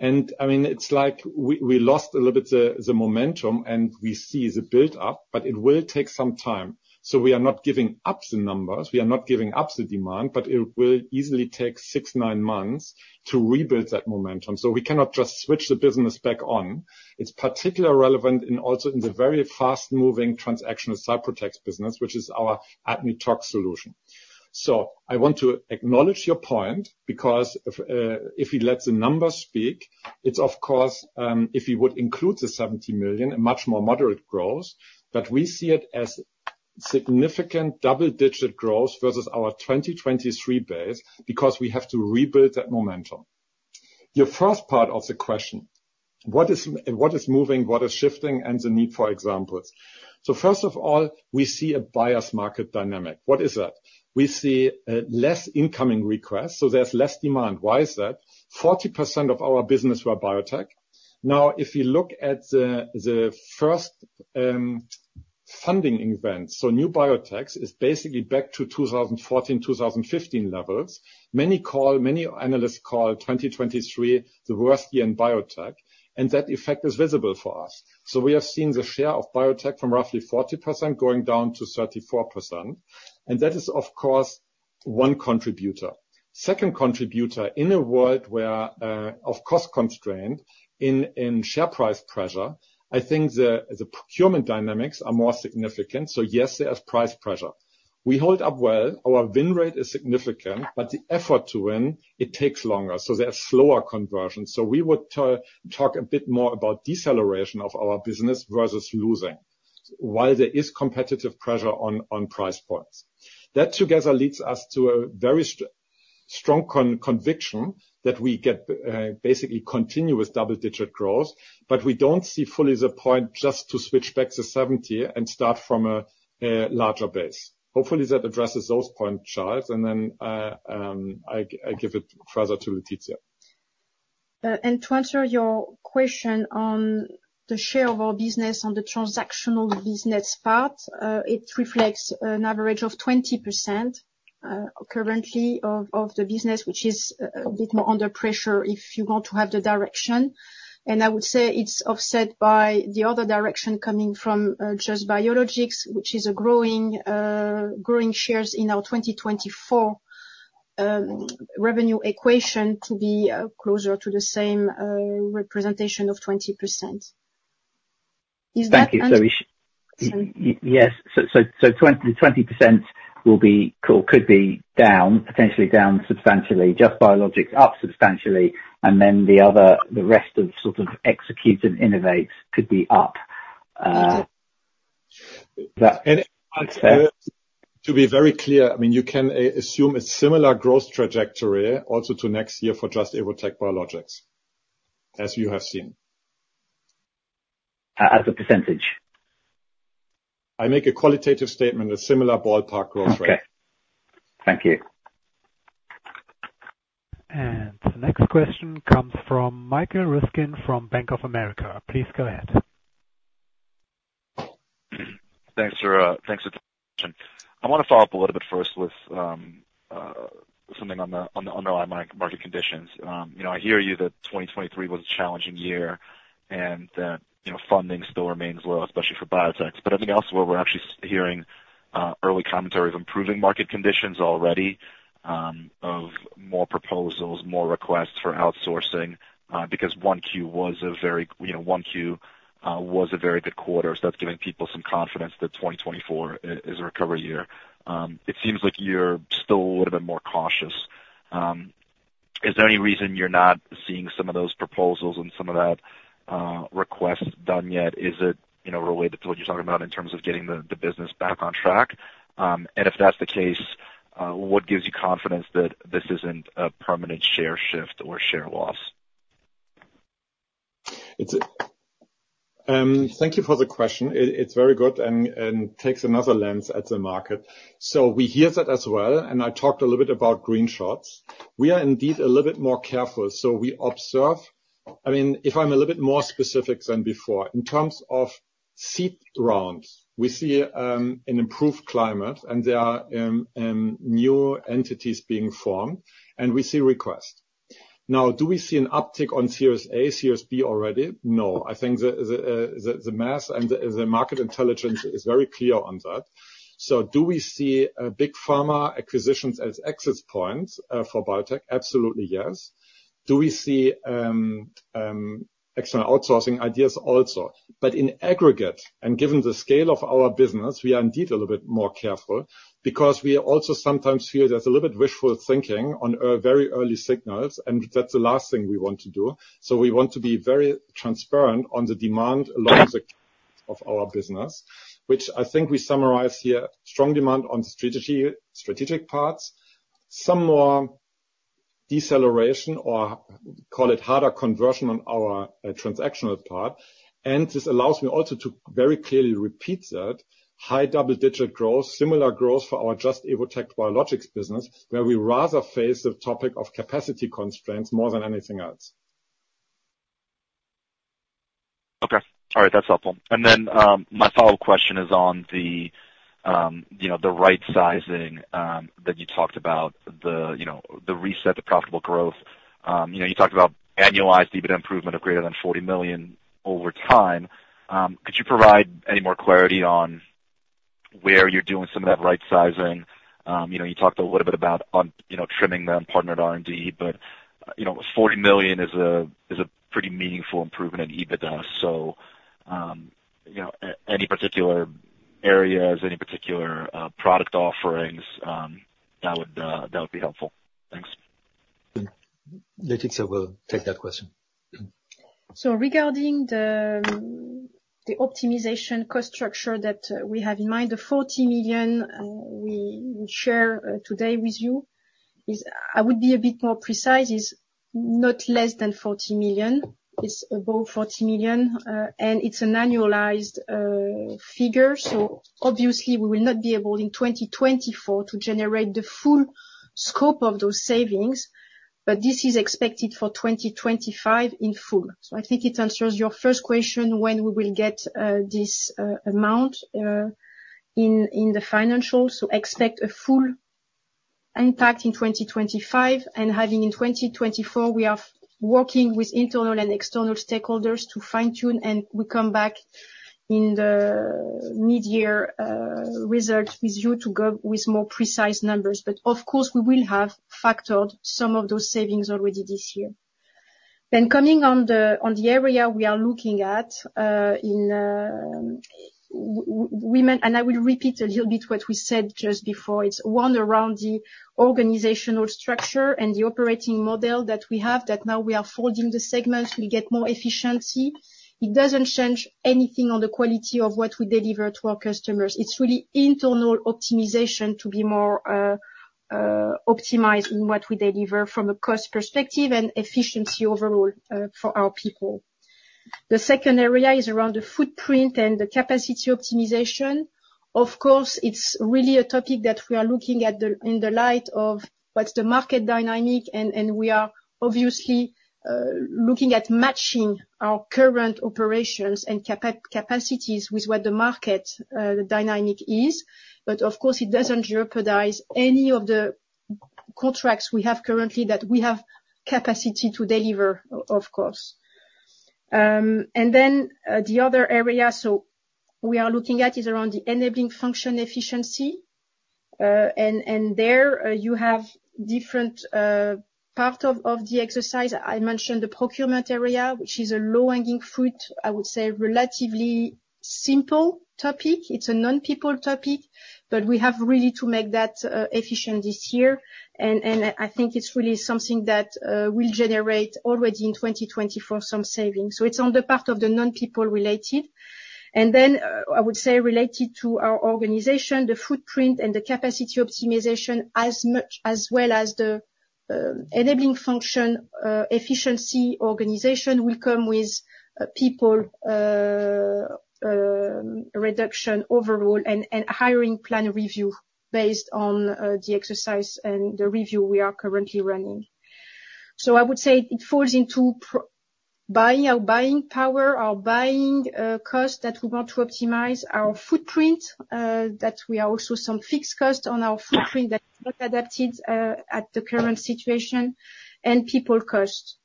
And I mean, it's like we lost a little bit the momentum, and we see the buildup. But it will take some time. So we are not giving up the numbers. We are not giving up the demand. But it will easily take six-nine months to rebuild that momentum. So we cannot just switch the business back on. It's particularly relevant also in the very fast-moving transactional Cyprotex business, which is our ADME-Tox solution. So I want to acknowledge your point because if we let the numbers speak, it's, of course, if we would include the 70 million, a much more moderate growth. But we see it as significant double-digit growth versus our 2023 base because we have to rebuild that momentum. Your first part of the question, what is moving, what is shifting, and the need for examples? So first of all, we see a bias market dynamic. What is that? We see less incoming requests. So there's less demand. Why is that? 40% of our business were biotech. Now, if you look at the first funding event, so new biotechs is basically back to 2014, 2015 levels. Many analysts call 2023 the worst year in biotech. And that effect is visible for us. So we have seen the share of biotech from roughly 40% going down to 34%. And that is, of course, one contributor. Second contributor, in a world where of cost-constrained in share price pressure, I think the procurement dynamics are more significant. So yes, there is price pressure. We hold up well. Our win rate is significant. But the effort to win, it takes longer. So there is slower conversion. So we would talk a bit more about deceleration of our business versus losing while there is competitive pressure on price points. That together leads us to a very strong conviction that we get basically continuous double-digit growth. But we don't see fully the point just to switch back to 70 and start from a larger base. Hopefully, that addresses those points, Charles. And then I give it further to Laetitia. To answer your question on the share of our business on the transactional business part, it reflects an average of 20% currently of the business, which is a bit more under pressure if you want to have the direction. I would say it's offset by the other direction coming from Just Biologics, which is growing shares in our 2024 revenue equation to be closer to the same representation of 20%. Is that? Thank you, Yes. So the 20% could be down, potentially down substantially. Just Biologics up substantially. And then the rest of sort of executes and innovates could be up. To be very clear, I mean, you can assume a similar growth trajectory also to next year for Just – Evotec Biologics as you have seen? As a percentage? I make a qualitative statement, a similar ballpark growth rate. Okay. Thank you. The next question comes from Michael Ryskin from Bank of America. Please go ahead. Thanks for the question. I want to follow up a little bit first with something on the underlying market conditions. I hear you that 2023 was a challenging year and that funding still remains low, especially for biotechs. But I think elsewhere, we're actually hearing early commentary of improving market conditions already, of more proposals, more requests for outsourcing because Q1 was a very good quarter. So that's giving people some confidence that 2024 is a recovery year. It seems like you're still a little bit more cautious. Is there any reason you're not seeing some of those proposals and some of that request done yet? Is it related to what you're talking about in terms of getting the business back on track? And if that's the case, what gives you confidence that this isn't a permanent share shift or share loss? Thank you for the question. It's very good and takes another lens at the market. So we hear that as well. And I talked a little bit about green shoots. We are indeed a little bit more careful. So we observe, I mean, if I'm a little bit more specific than before, in terms of seed rounds, we see an improved climate. And there are new entities being formed. And we see requests. Now, do we see an uptick on Series A, Series B already? No. I think the math and the market intelligence is very clear on that. So do we see big pharma acquisitions as exit points for biotech? Absolutely, yes. Do we see external outsourcing ideas also? But in aggregate, and given the scale of our business, we are indeed a little bit more careful because we also sometimes feel there's a little bit wishful thinking on very early signals. And that's the last thing we want to do. So we want to be very transparent on the demand along the core of our business, which I think we summarize here: strong demand on the strategic parts, some more deceleration or call it harder conversion on our transactional part. And this allows me also to very clearly repeat that high double-digit growth, similar growth for our Just – Evotec Biologics business where we rather face the topic of capacity constraints more than anything else. Okay. All right. That's helpful. And then my follow-up question is on the right-sizing that you talked about, the reset, the profitable growth. You talked about annualized EBIT improvement of greater than 40 million over time. Could you provide any more clarity on where you're doing some of that right-sizing? You talked a little bit about trimming the unpartnered R&D. But 40 million is a pretty meaningful improvement in EBITDA. So any particular areas, any particular product offerings, that would be helpful. Thanks. Laetitia will take that question. So regarding the optimization cost structure that we have in mind, the 40 million we share today with you, I would be a bit more precise, is not less than 40 million. It's above 40 million. And it's an annualized figure. So obviously, we will not be able in 2024 to generate the full scope of those savings. But this is expected for 2025 in full. So I think it answers your first question, when we will get this amount in the financials. So expect a full impact in 2025. And having in 2024, we are working with internal and external stakeholders to fine-tune. And we come back in the mid-year result with you to go with more precise numbers. But of course, we will have factored some of those savings already this year. Then, coming on the area we are looking at, and I will repeat a little bit what we said just before. It's one around the organizational structure and the operating model that we have, that now we are folding the segments. We get more efficiency. It doesn't change anything on the quality of what we deliver to our customers. It's really internal optimization to be more optimized in what we deliver from a cost perspective and efficiency overall for our people. The second area is around the footprint and the capacity optimization. Of course, it's really a topic that we are looking at in the light of what's the market dynamic. And we are obviously looking at matching our current operations and capacities with what the market dynamic is. But of course, it doesn't jeopardize any of the contracts we have currently that we have capacity to deliver, of course. And then the other area so we are looking at is around the enabling function efficiency. And there, you have different parts of the exercise. I mentioned the procurement area, which is a low-hanging fruit, I would say, relatively simple topic. It's a non-people topic. But we have really to make that efficient this year. And I think it's really something that will generate already in 2024 some savings. So it's on the part of the non-people related. And then I would say related to our organization, the footprint and the capacity optimization as well as the enabling function efficiency organization will come with people reduction overall and hiring plan review based on the exercise and the review we are currently running. So I would say it falls into our buying power, our buying cost that we want to optimize, our footprint that we are also some fixed cost on our footprint that is not adapted at the current situation, and people cost.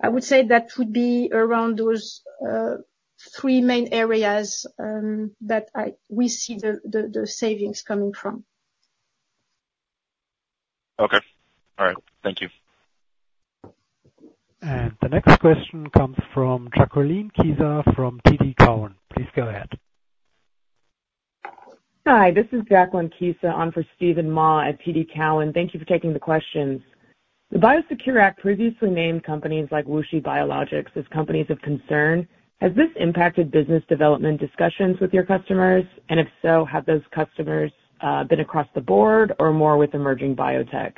I would say that would be around those three main areas that we see the savings coming from. Okay. All right. Thank you. The next question comes from Jacqueline Kisa from TD Cowen. Please go ahead. Hi. This is Jacqueline Kisa on for Steven Mah at TD Cowen. Thank you for taking the questions. The Biosecure Act previously named companies like WuXi Biologics as companies of concern. Has this impacted business development discussions with your customers? And if so, have those customers been across the board or more with emerging biotech?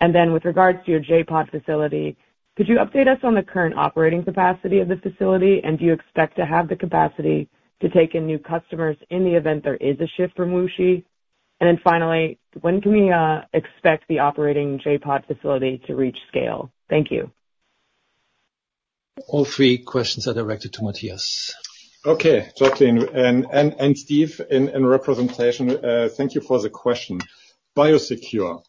And then with regards to your J.POD facility, could you update us on the current operating capacity of the facility? And do you expect to have the capacity to take in new customers in the event there is a shift from WuXi? And then finally, when can we expect the operating J.POD facility to reach scale? Thank you. All three questions are directed to Matthias. Okay, Jacqueline. And Steve, in representation, thank you for the question. Biosecure,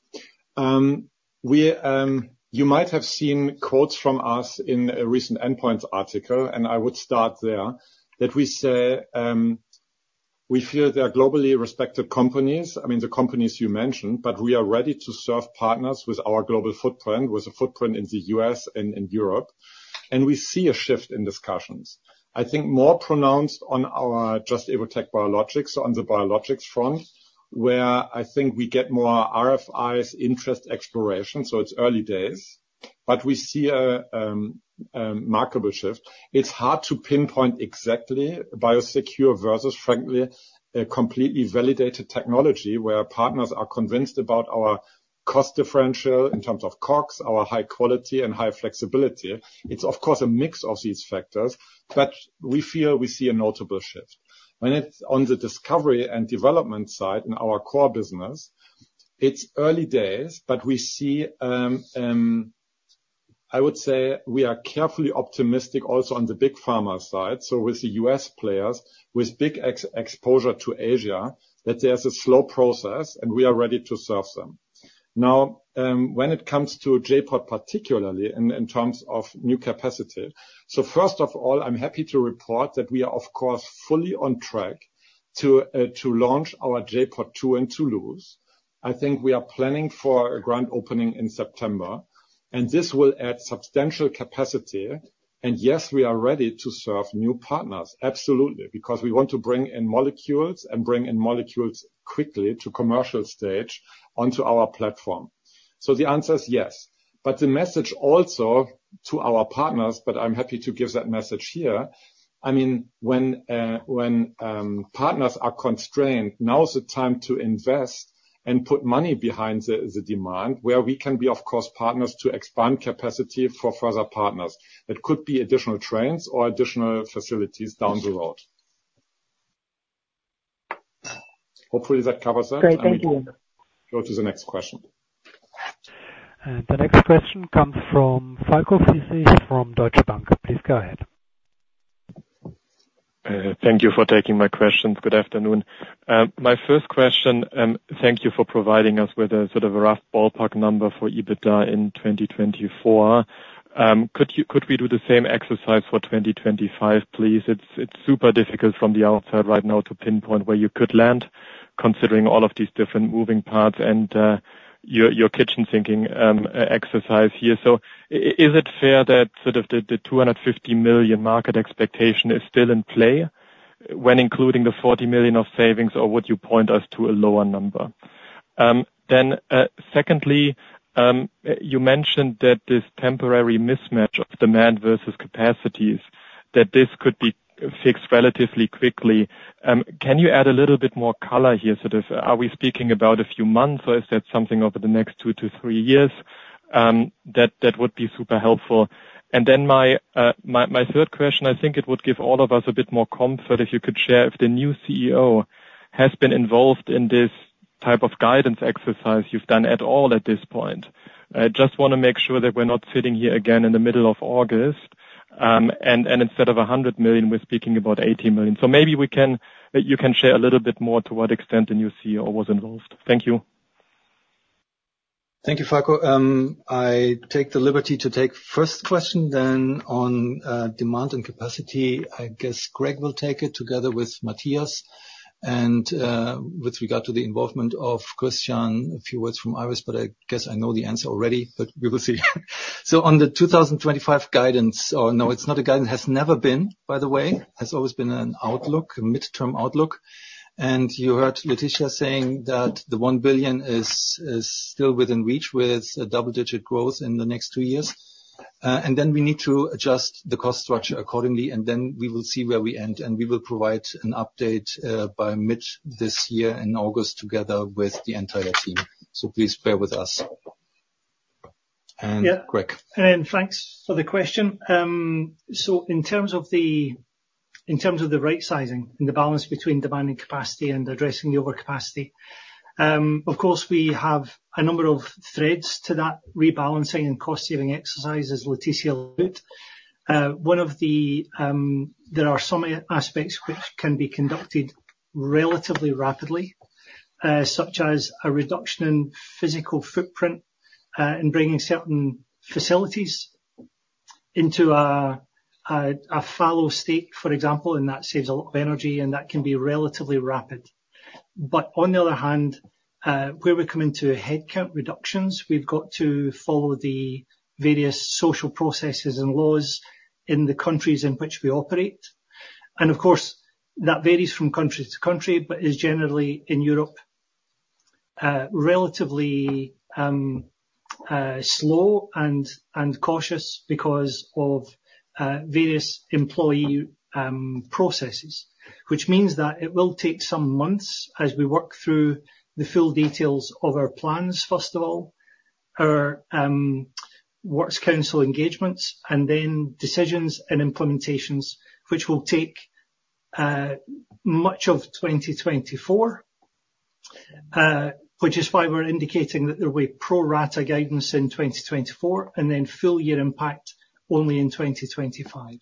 you might have seen quotes from us in a recent Endpoints article. I would start there that we say we feel they are globally respected companies, I mean, the companies you mentioned. But we are ready to serve partners with our global footprint, with a footprint in the U.S. and in Europe. We see a shift in discussions, I think more pronounced on our Just – Evotec Biologics, so on the biologics front, where I think we get more RFIs, interest exploration. It's early days. But we see a remarkable shift. It's hard to pinpoint exactly Biosecure versus, frankly, a completely validated technology where partners are convinced about our cost differential in terms of COGS, our high quality and high flexibility. It's, of course, a mix of these factors. But we feel we see a notable shift. When it's on the discovery and development side in our core business, it's early days. But I would say we are carefully optimistic also on the big pharma side, so with the U.S. players, with big exposure to Asia, that there's a slow process. And we are ready to serve them. Now, when it comes to J.POD particularly in terms of new capacity so first of all, I'm happy to report that we are, of course, fully on track to launch our J.POD 2 in Toulouse. I think we are planning for a grand opening in September. And this will add substantial capacity. And yes, we are ready to serve new partners, absolutely, because we want to bring in molecules and bring in molecules quickly to commercial stage onto our platform. So the answer is yes. But the message also to our partners, but I'm happy to give that message here. I mean, when partners are constrained, now's the time to invest and put money behind the demand where we can be, of course, partners to expand capacity for further partners. It could be additional trains or additional facilities down the road. Hopefully, that covers that. Great. Thank you. Then we can go to the next question. The next question comes from Falco Friedrichs from Deutsche Bank. Please go ahead. Thank you for taking my questions. Good afternoon. My first question, thank you for providing us with sort of a rough ballpark number for EBITDA in 2024. Could we do the same exercise for 2025, please? It's super difficult from the outside right now to pinpoint where you could land considering all of these different moving parts and your kitchen sinking exercise here. So is it fair that sort of the 250 million market expectation is still in play when including the 40 million of savings, or would you point us to a lower number? Then secondly, you mentioned that this temporary mismatch of demand versus capacities, that this could be fixed relatively quickly. Can you add a little bit more color here? Sort of are we speaking about a few months, or is that something over the next two to three years that would be super helpful? Then my third question, I think it would give all of us a bit more comfort if you could share if the new CEO has been involved in this type of guidance exercise you've done at all at this point. I just want to make sure that we're not sitting here again in the middle of August. And instead of 100 million, we're speaking about 80 million. So maybe you can share a little bit more to what extent the new CEO was involved. Thank you. Thank you, Falco. I take the liberty to take first question. Then on demand and capacity, I guess Craig will take it together with Matthias. And with regard to the involvement of Christian, a few words from Iris, but I guess I know the answer already. But we will see. So on the 2025 guidance or no, it's not a guidance, has never been, by the way. It has always been an outlook, a midterm outlook. And you heard Laetitia saying that the 1 billion is still within reach with double-digit growth in the next two years. And then we need to adjust the cost structure accordingly. And then we will see where we end. And we will provide an update by mid this year in August together with the entire team. So please bear with us. And Craig. Yeah. And then thanks for the question. So in terms of the right-sizing and the balance between demand and capacity and addressing the overcapacity, of course, we have a number of threads to that rebalancing and cost-saving exercise, as Laetitia alluded. One of them, there are some aspects which can be conducted relatively rapidly, such as a reduction in physical footprint and bringing certain facilities into a fallow state, for example. And that saves a lot of energy. And that can be relatively rapid. But on the other hand, where we come into headcount reductions, we've got to follow the various social processes and laws in the countries in which we operate. And of course, that varies from country to country but is generally, in Europe, relatively slow and cautious because of various employee processes, which means that it will take some months as we work through the full details of our plans, first of all, our works council engagements, and then decisions and implementations, which will take much of 2024, which is why we're indicating that there will be pro-rata guidance in 2024 and then full-year impact only in 2025.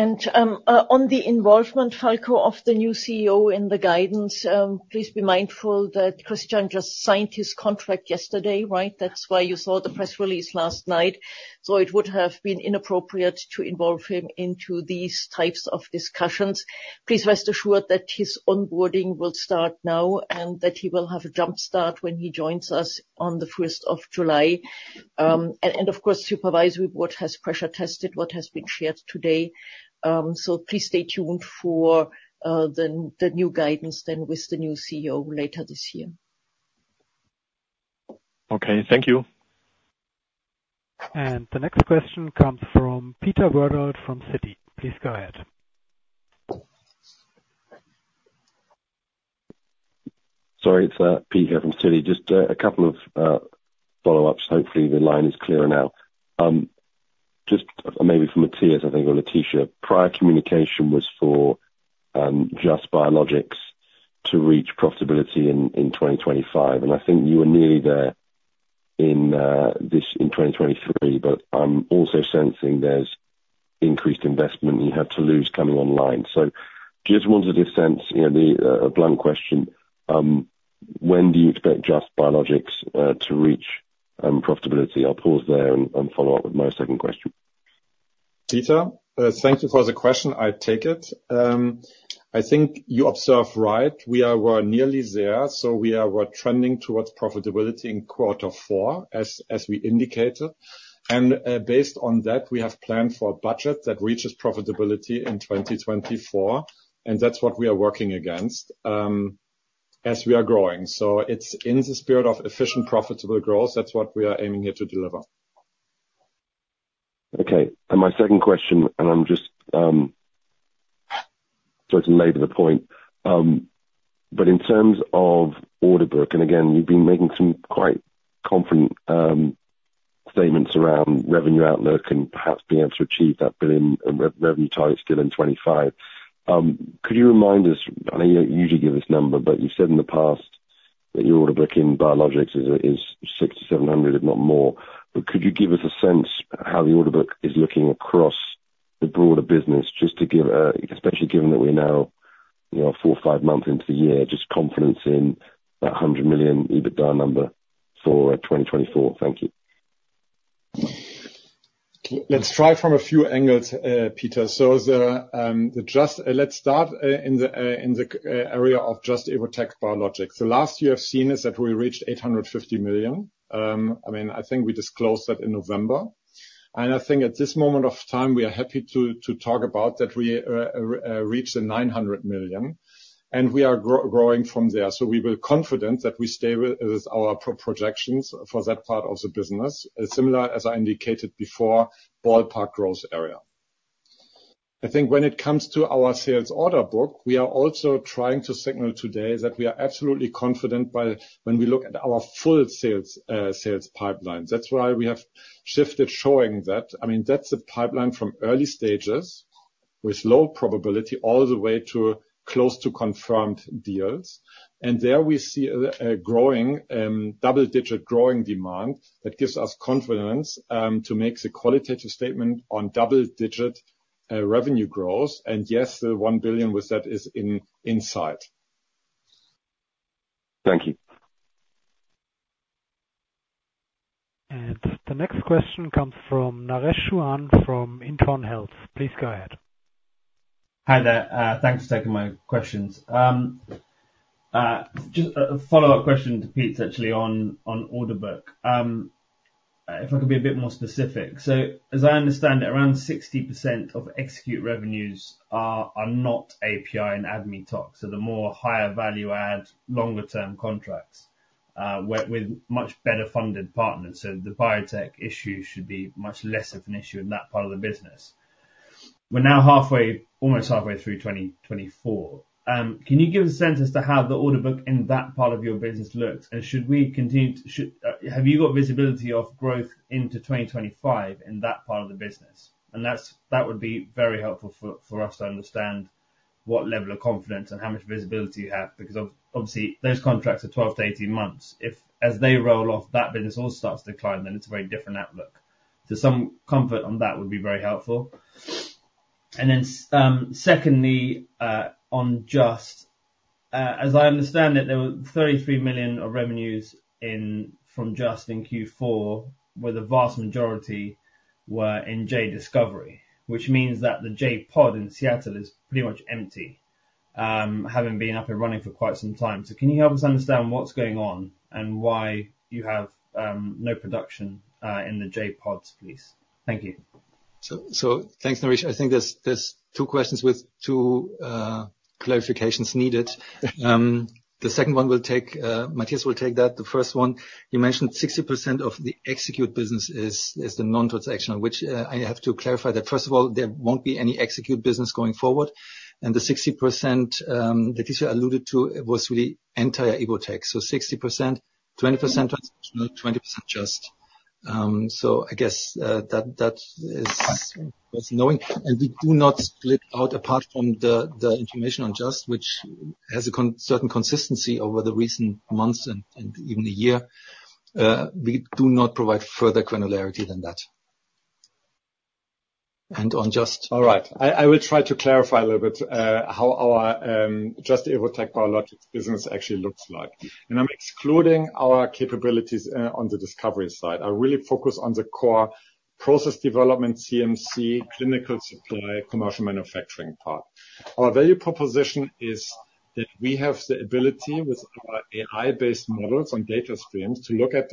On the involvement, Falco, of the new CEO in the guidance, please be mindful that Christian just signed his contract yesterday, right? That's why you saw the press release last night. So it would have been inappropriate to involve him into these types of discussions. Please rest assured that his onboarding will start now and that he will have a jump-start when he joins us on the 1st of July. And of course, the Supervisory Board has pressure-tested what has been shared today. So please stay tuned for the new guidance then with the new CEO later this year. Okay. Thank you. And the next question comes from Peter Verdault from Citi. Please go ahead. Sorry. It's Peter here from Citi. Just a couple of follow-ups. Hopefully, the line is clearer now. Just maybe from Matthias, I think, or Laetitia, prior communication was for Just Biologics to reach profitability in 2025. And I think you were nearly there in 2023. But I'm also sensing there's increased investment you had to lose coming online. So just wanted to sense a blunt question. When do you expect Just Biologics to reach profitability? I'll pause there and follow up with my second question. Peter, thank you for the question. I take it. I think you observe right. We were nearly there. So we were trending towards profitability in quarter four as we indicated. And based on that, we have planned for a budget that reaches profitability in 2024. And that's what we are working against as we are growing. So it's in the spirit of efficient, profitable growth. That's what we are aiming here to deliver. Okay. And my second question, and I'm just sort of to layer the point, but in terms of backlog, and again, you've been making some quite confident statements around revenue outlook and perhaps being able to achieve that 1 billion revenue target still in 2025, could you remind us I know you usually give this number, but you've said in the past that your backlog in Biologics is 6,700, if not more. But could you give us a sense how the backlog is looking across the broader business, just to give especially given that we're now four, five months into the year, just confidence in that 100 million EBITDA number for 2024? Thank you. Let's try from a few angles, Peter. So let's start in the area of Just Evotec Biologics. The last you have seen is that we reached 850 million. I mean, I think we disclosed that in November. And I think at this moment of time, we are happy to talk about that we reached the 900 million. And we are growing from there. So we will be confident that we stay with our projections for that part of the business, similar as I indicated before, ballpark growth area. I think when it comes to our sales order book, we are also trying to signal today that we are absolutely confident when we look at our full sales pipeline. That's why we have shifted showing that. I mean, that's the pipeline from early stages with low probability all the way to close to confirmed deals. There, we see double-digit growing demand that gives us confidence to make a qualitative statement on double-digit revenue growth. Yes, the 1 billion with that is inside. Thank you. The next question comes from Naresh Chouhan from Intron Health. Please go ahead. Hi there. Thanks for taking my questions. Just a follow-up question to Pete, actually, on order book, if I could be a bit more specific. So as I understand it, around 60% of Evotec revenues are not API and ADME-Tox. So the more higher-value-add, longer-term contracts with much better-funded partners. So the biotech issue should be much less of an issue in that part of the business. We're now almost halfway through 2024. Can you give us a sense as to how the order book in that part of your business looks? And should we continue to have you got visibility of growth into 2025 in that part of the business? And that would be very helpful for us to understand what level of confidence and how much visibility you have because, obviously, those contracts are 12-18 months. As they roll off, that business also starts to decline. Then it's a very different outlook. So some comfort on that would be very helpful. And then secondly, on Just, as I understand it, there were 33 million of revenues from Just in Q4, where the vast majority were in J.Discovery, which means that the J.POD in Seattle is pretty much empty, having been up and running for quite some time. So can you help us understand what's going on and why you have no production in the J.PODs, please? Thank you. So thanks, Naresh. I think there's two questions with two clarifications needed. The second one Matthias will take that. The first one, you mentioned 60% of the Evotec business is the non-transactional, which I have to clarify that, first of all, there won't be any Evotec business going forward. And the 60% Laetitia alluded to was really entire Evotec. So 60%, 20% transactional, 20% Just. So I guess that is noting. And we do not split out apart from the information on Just, which has a certain consistency over the recent months and even a year. We do not provide further granularity than that. And on Just. All right. I will try to clarify a little bit how our Just – Evotec Biologics business actually looks like. And I'm excluding our capabilities on the discovery side. I really focus on the core process development, CMC, clinical supply, commercial manufacturing part. Our value proposition is that we have the ability, with our AI-based models and data streams, to look at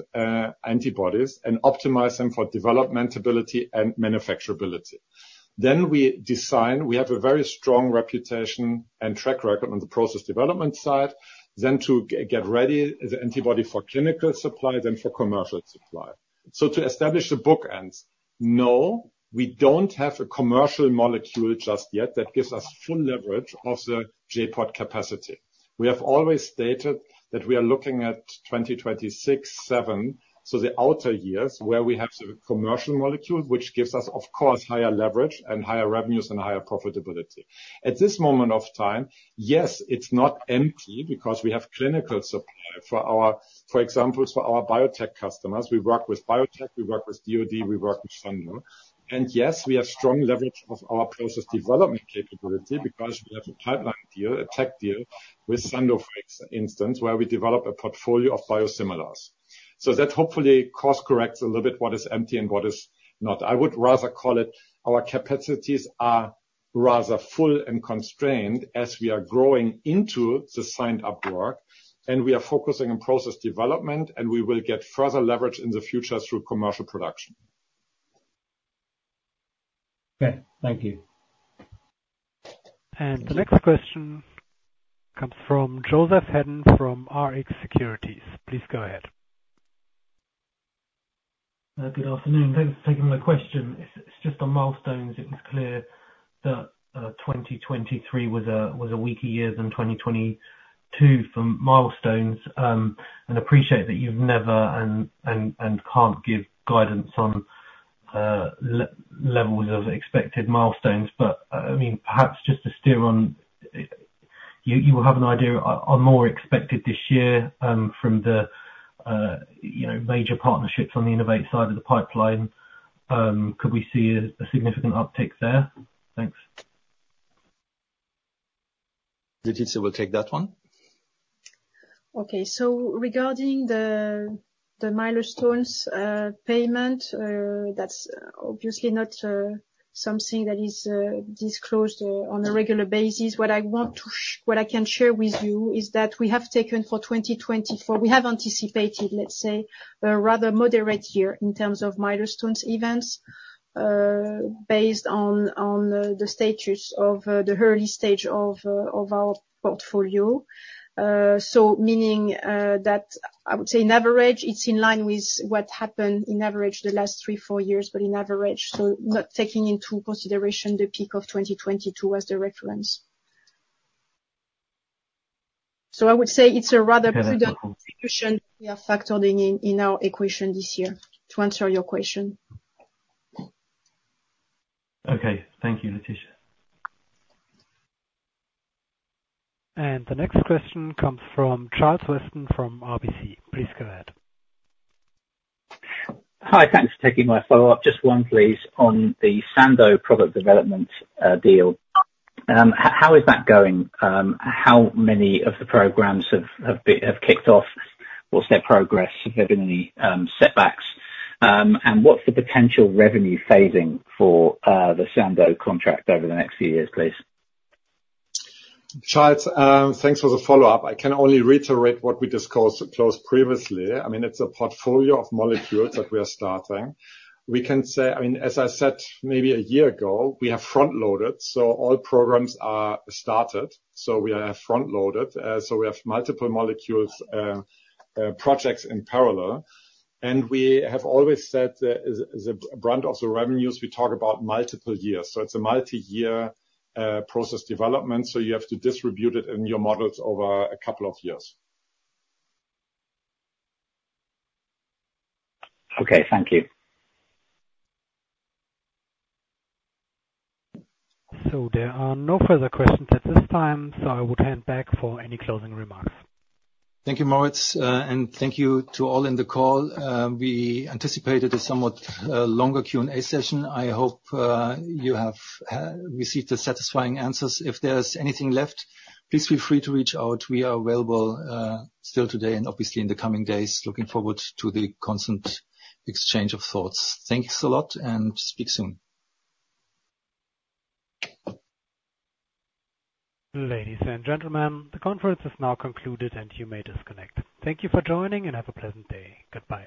antibodies and optimize them for developmentability and manufacturability. Then we have a very strong reputation and track record on the process development side, then to get ready as an antibody for clinical supply, then for commercial supply. So to establish the bookends, no, we don't have a commercial molecule just yet that gives us full leverage of the J.POD capacity. We have always stated that we are looking at 2026, 2027, so the outer years where we have the commercial molecule, which gives us, of course, higher leverage and higher revenues and higher profitability. At this moment of time, yes, it's not empty because we have clinical supply. For example, for our biotech customers, we work with biotech. We work with DoD. We work with Sandoz. And yes, we have strong leverage of our process development capability because we have a pipeline deal, a tech deal with Sandoz, for instance, where we develop a portfolio of biosimilars. So that hopefully course-corrects a little bit what is empty and what is not. I would rather call it our capacities are rather full and constrained as we are growing into the signed-up work. And we are focusing on process development. And we will get further leverage in the future through commercial production. Okay. Thank you. The next question comes from Joseph Hedden from RX Securities. Please go ahead. Good afternoon. Thanks for taking my question. It's just on milestones. It was clear that 2023 was a weaker year than 2022 for milestones. And I appreciate that you've never and can't give guidance on levels of expected milestones. But I mean, perhaps just to steer on, you will have an idea on more expected this year from the major partnerships on the innovate side of the pipeline. Could we see a significant uptick there? Thanks. Laetitia will take that one. Okay. So regarding the milestones payment, that's obviously not something that is disclosed on a regular basis. What I can share with you is that for 2024 we have anticipated, let's say, a rather moderate year in terms of milestones events based on the early stage of our portfolio. So meaning that I would say, in average, it's in line with what happened, in average, the last three, four years, but in average, so not taking into consideration the peak of 2022 as the reference. So I would say it's a rather prudent contribution we are factoring in our equation this year, to answer your question. Okay. Thank you, Laetitia. The next question comes from Charles Weston from RBC. Please go ahead. Hi. Thanks for taking my follow-up. Just one, please, on the Sandoz product development deal. How is that going? How many of the programs have kicked off? What's their progress? Have there been any setbacks? What's the potential revenue phasing for the Sandoz contract over the next few years, please? Charles, thanks for the follow-up. I can only reiterate what we disclosed previously. I mean, it's a portfolio of molecules that we are starting. We can say I mean, as I said maybe a year ago, we have front-loaded. So all programs are started. So we have front-loaded. So we have multiple molecules projects in parallel. And we have always said as a brunt of the revenues, we talk about multiple years. So it's a multi-year process development. So you have to distribute it in your models over a couple of years. Okay. Thank you. There are no further questions at this time. I would hand back for any closing remarks. Thank you, Moritz. And thank you to all in the call. We anticipated a somewhat longer Q&A session. I hope you have received satisfying answers. If there's anything left, please feel free to reach out. We are available still today and, obviously, in the coming days, looking forward to the constant exchange of thoughts. Thanks a lot. And speak soon. Ladies and gentlemen, the conference is now concluded. You may disconnect. Thank you for joining. Have a pleasant day. Goodbye.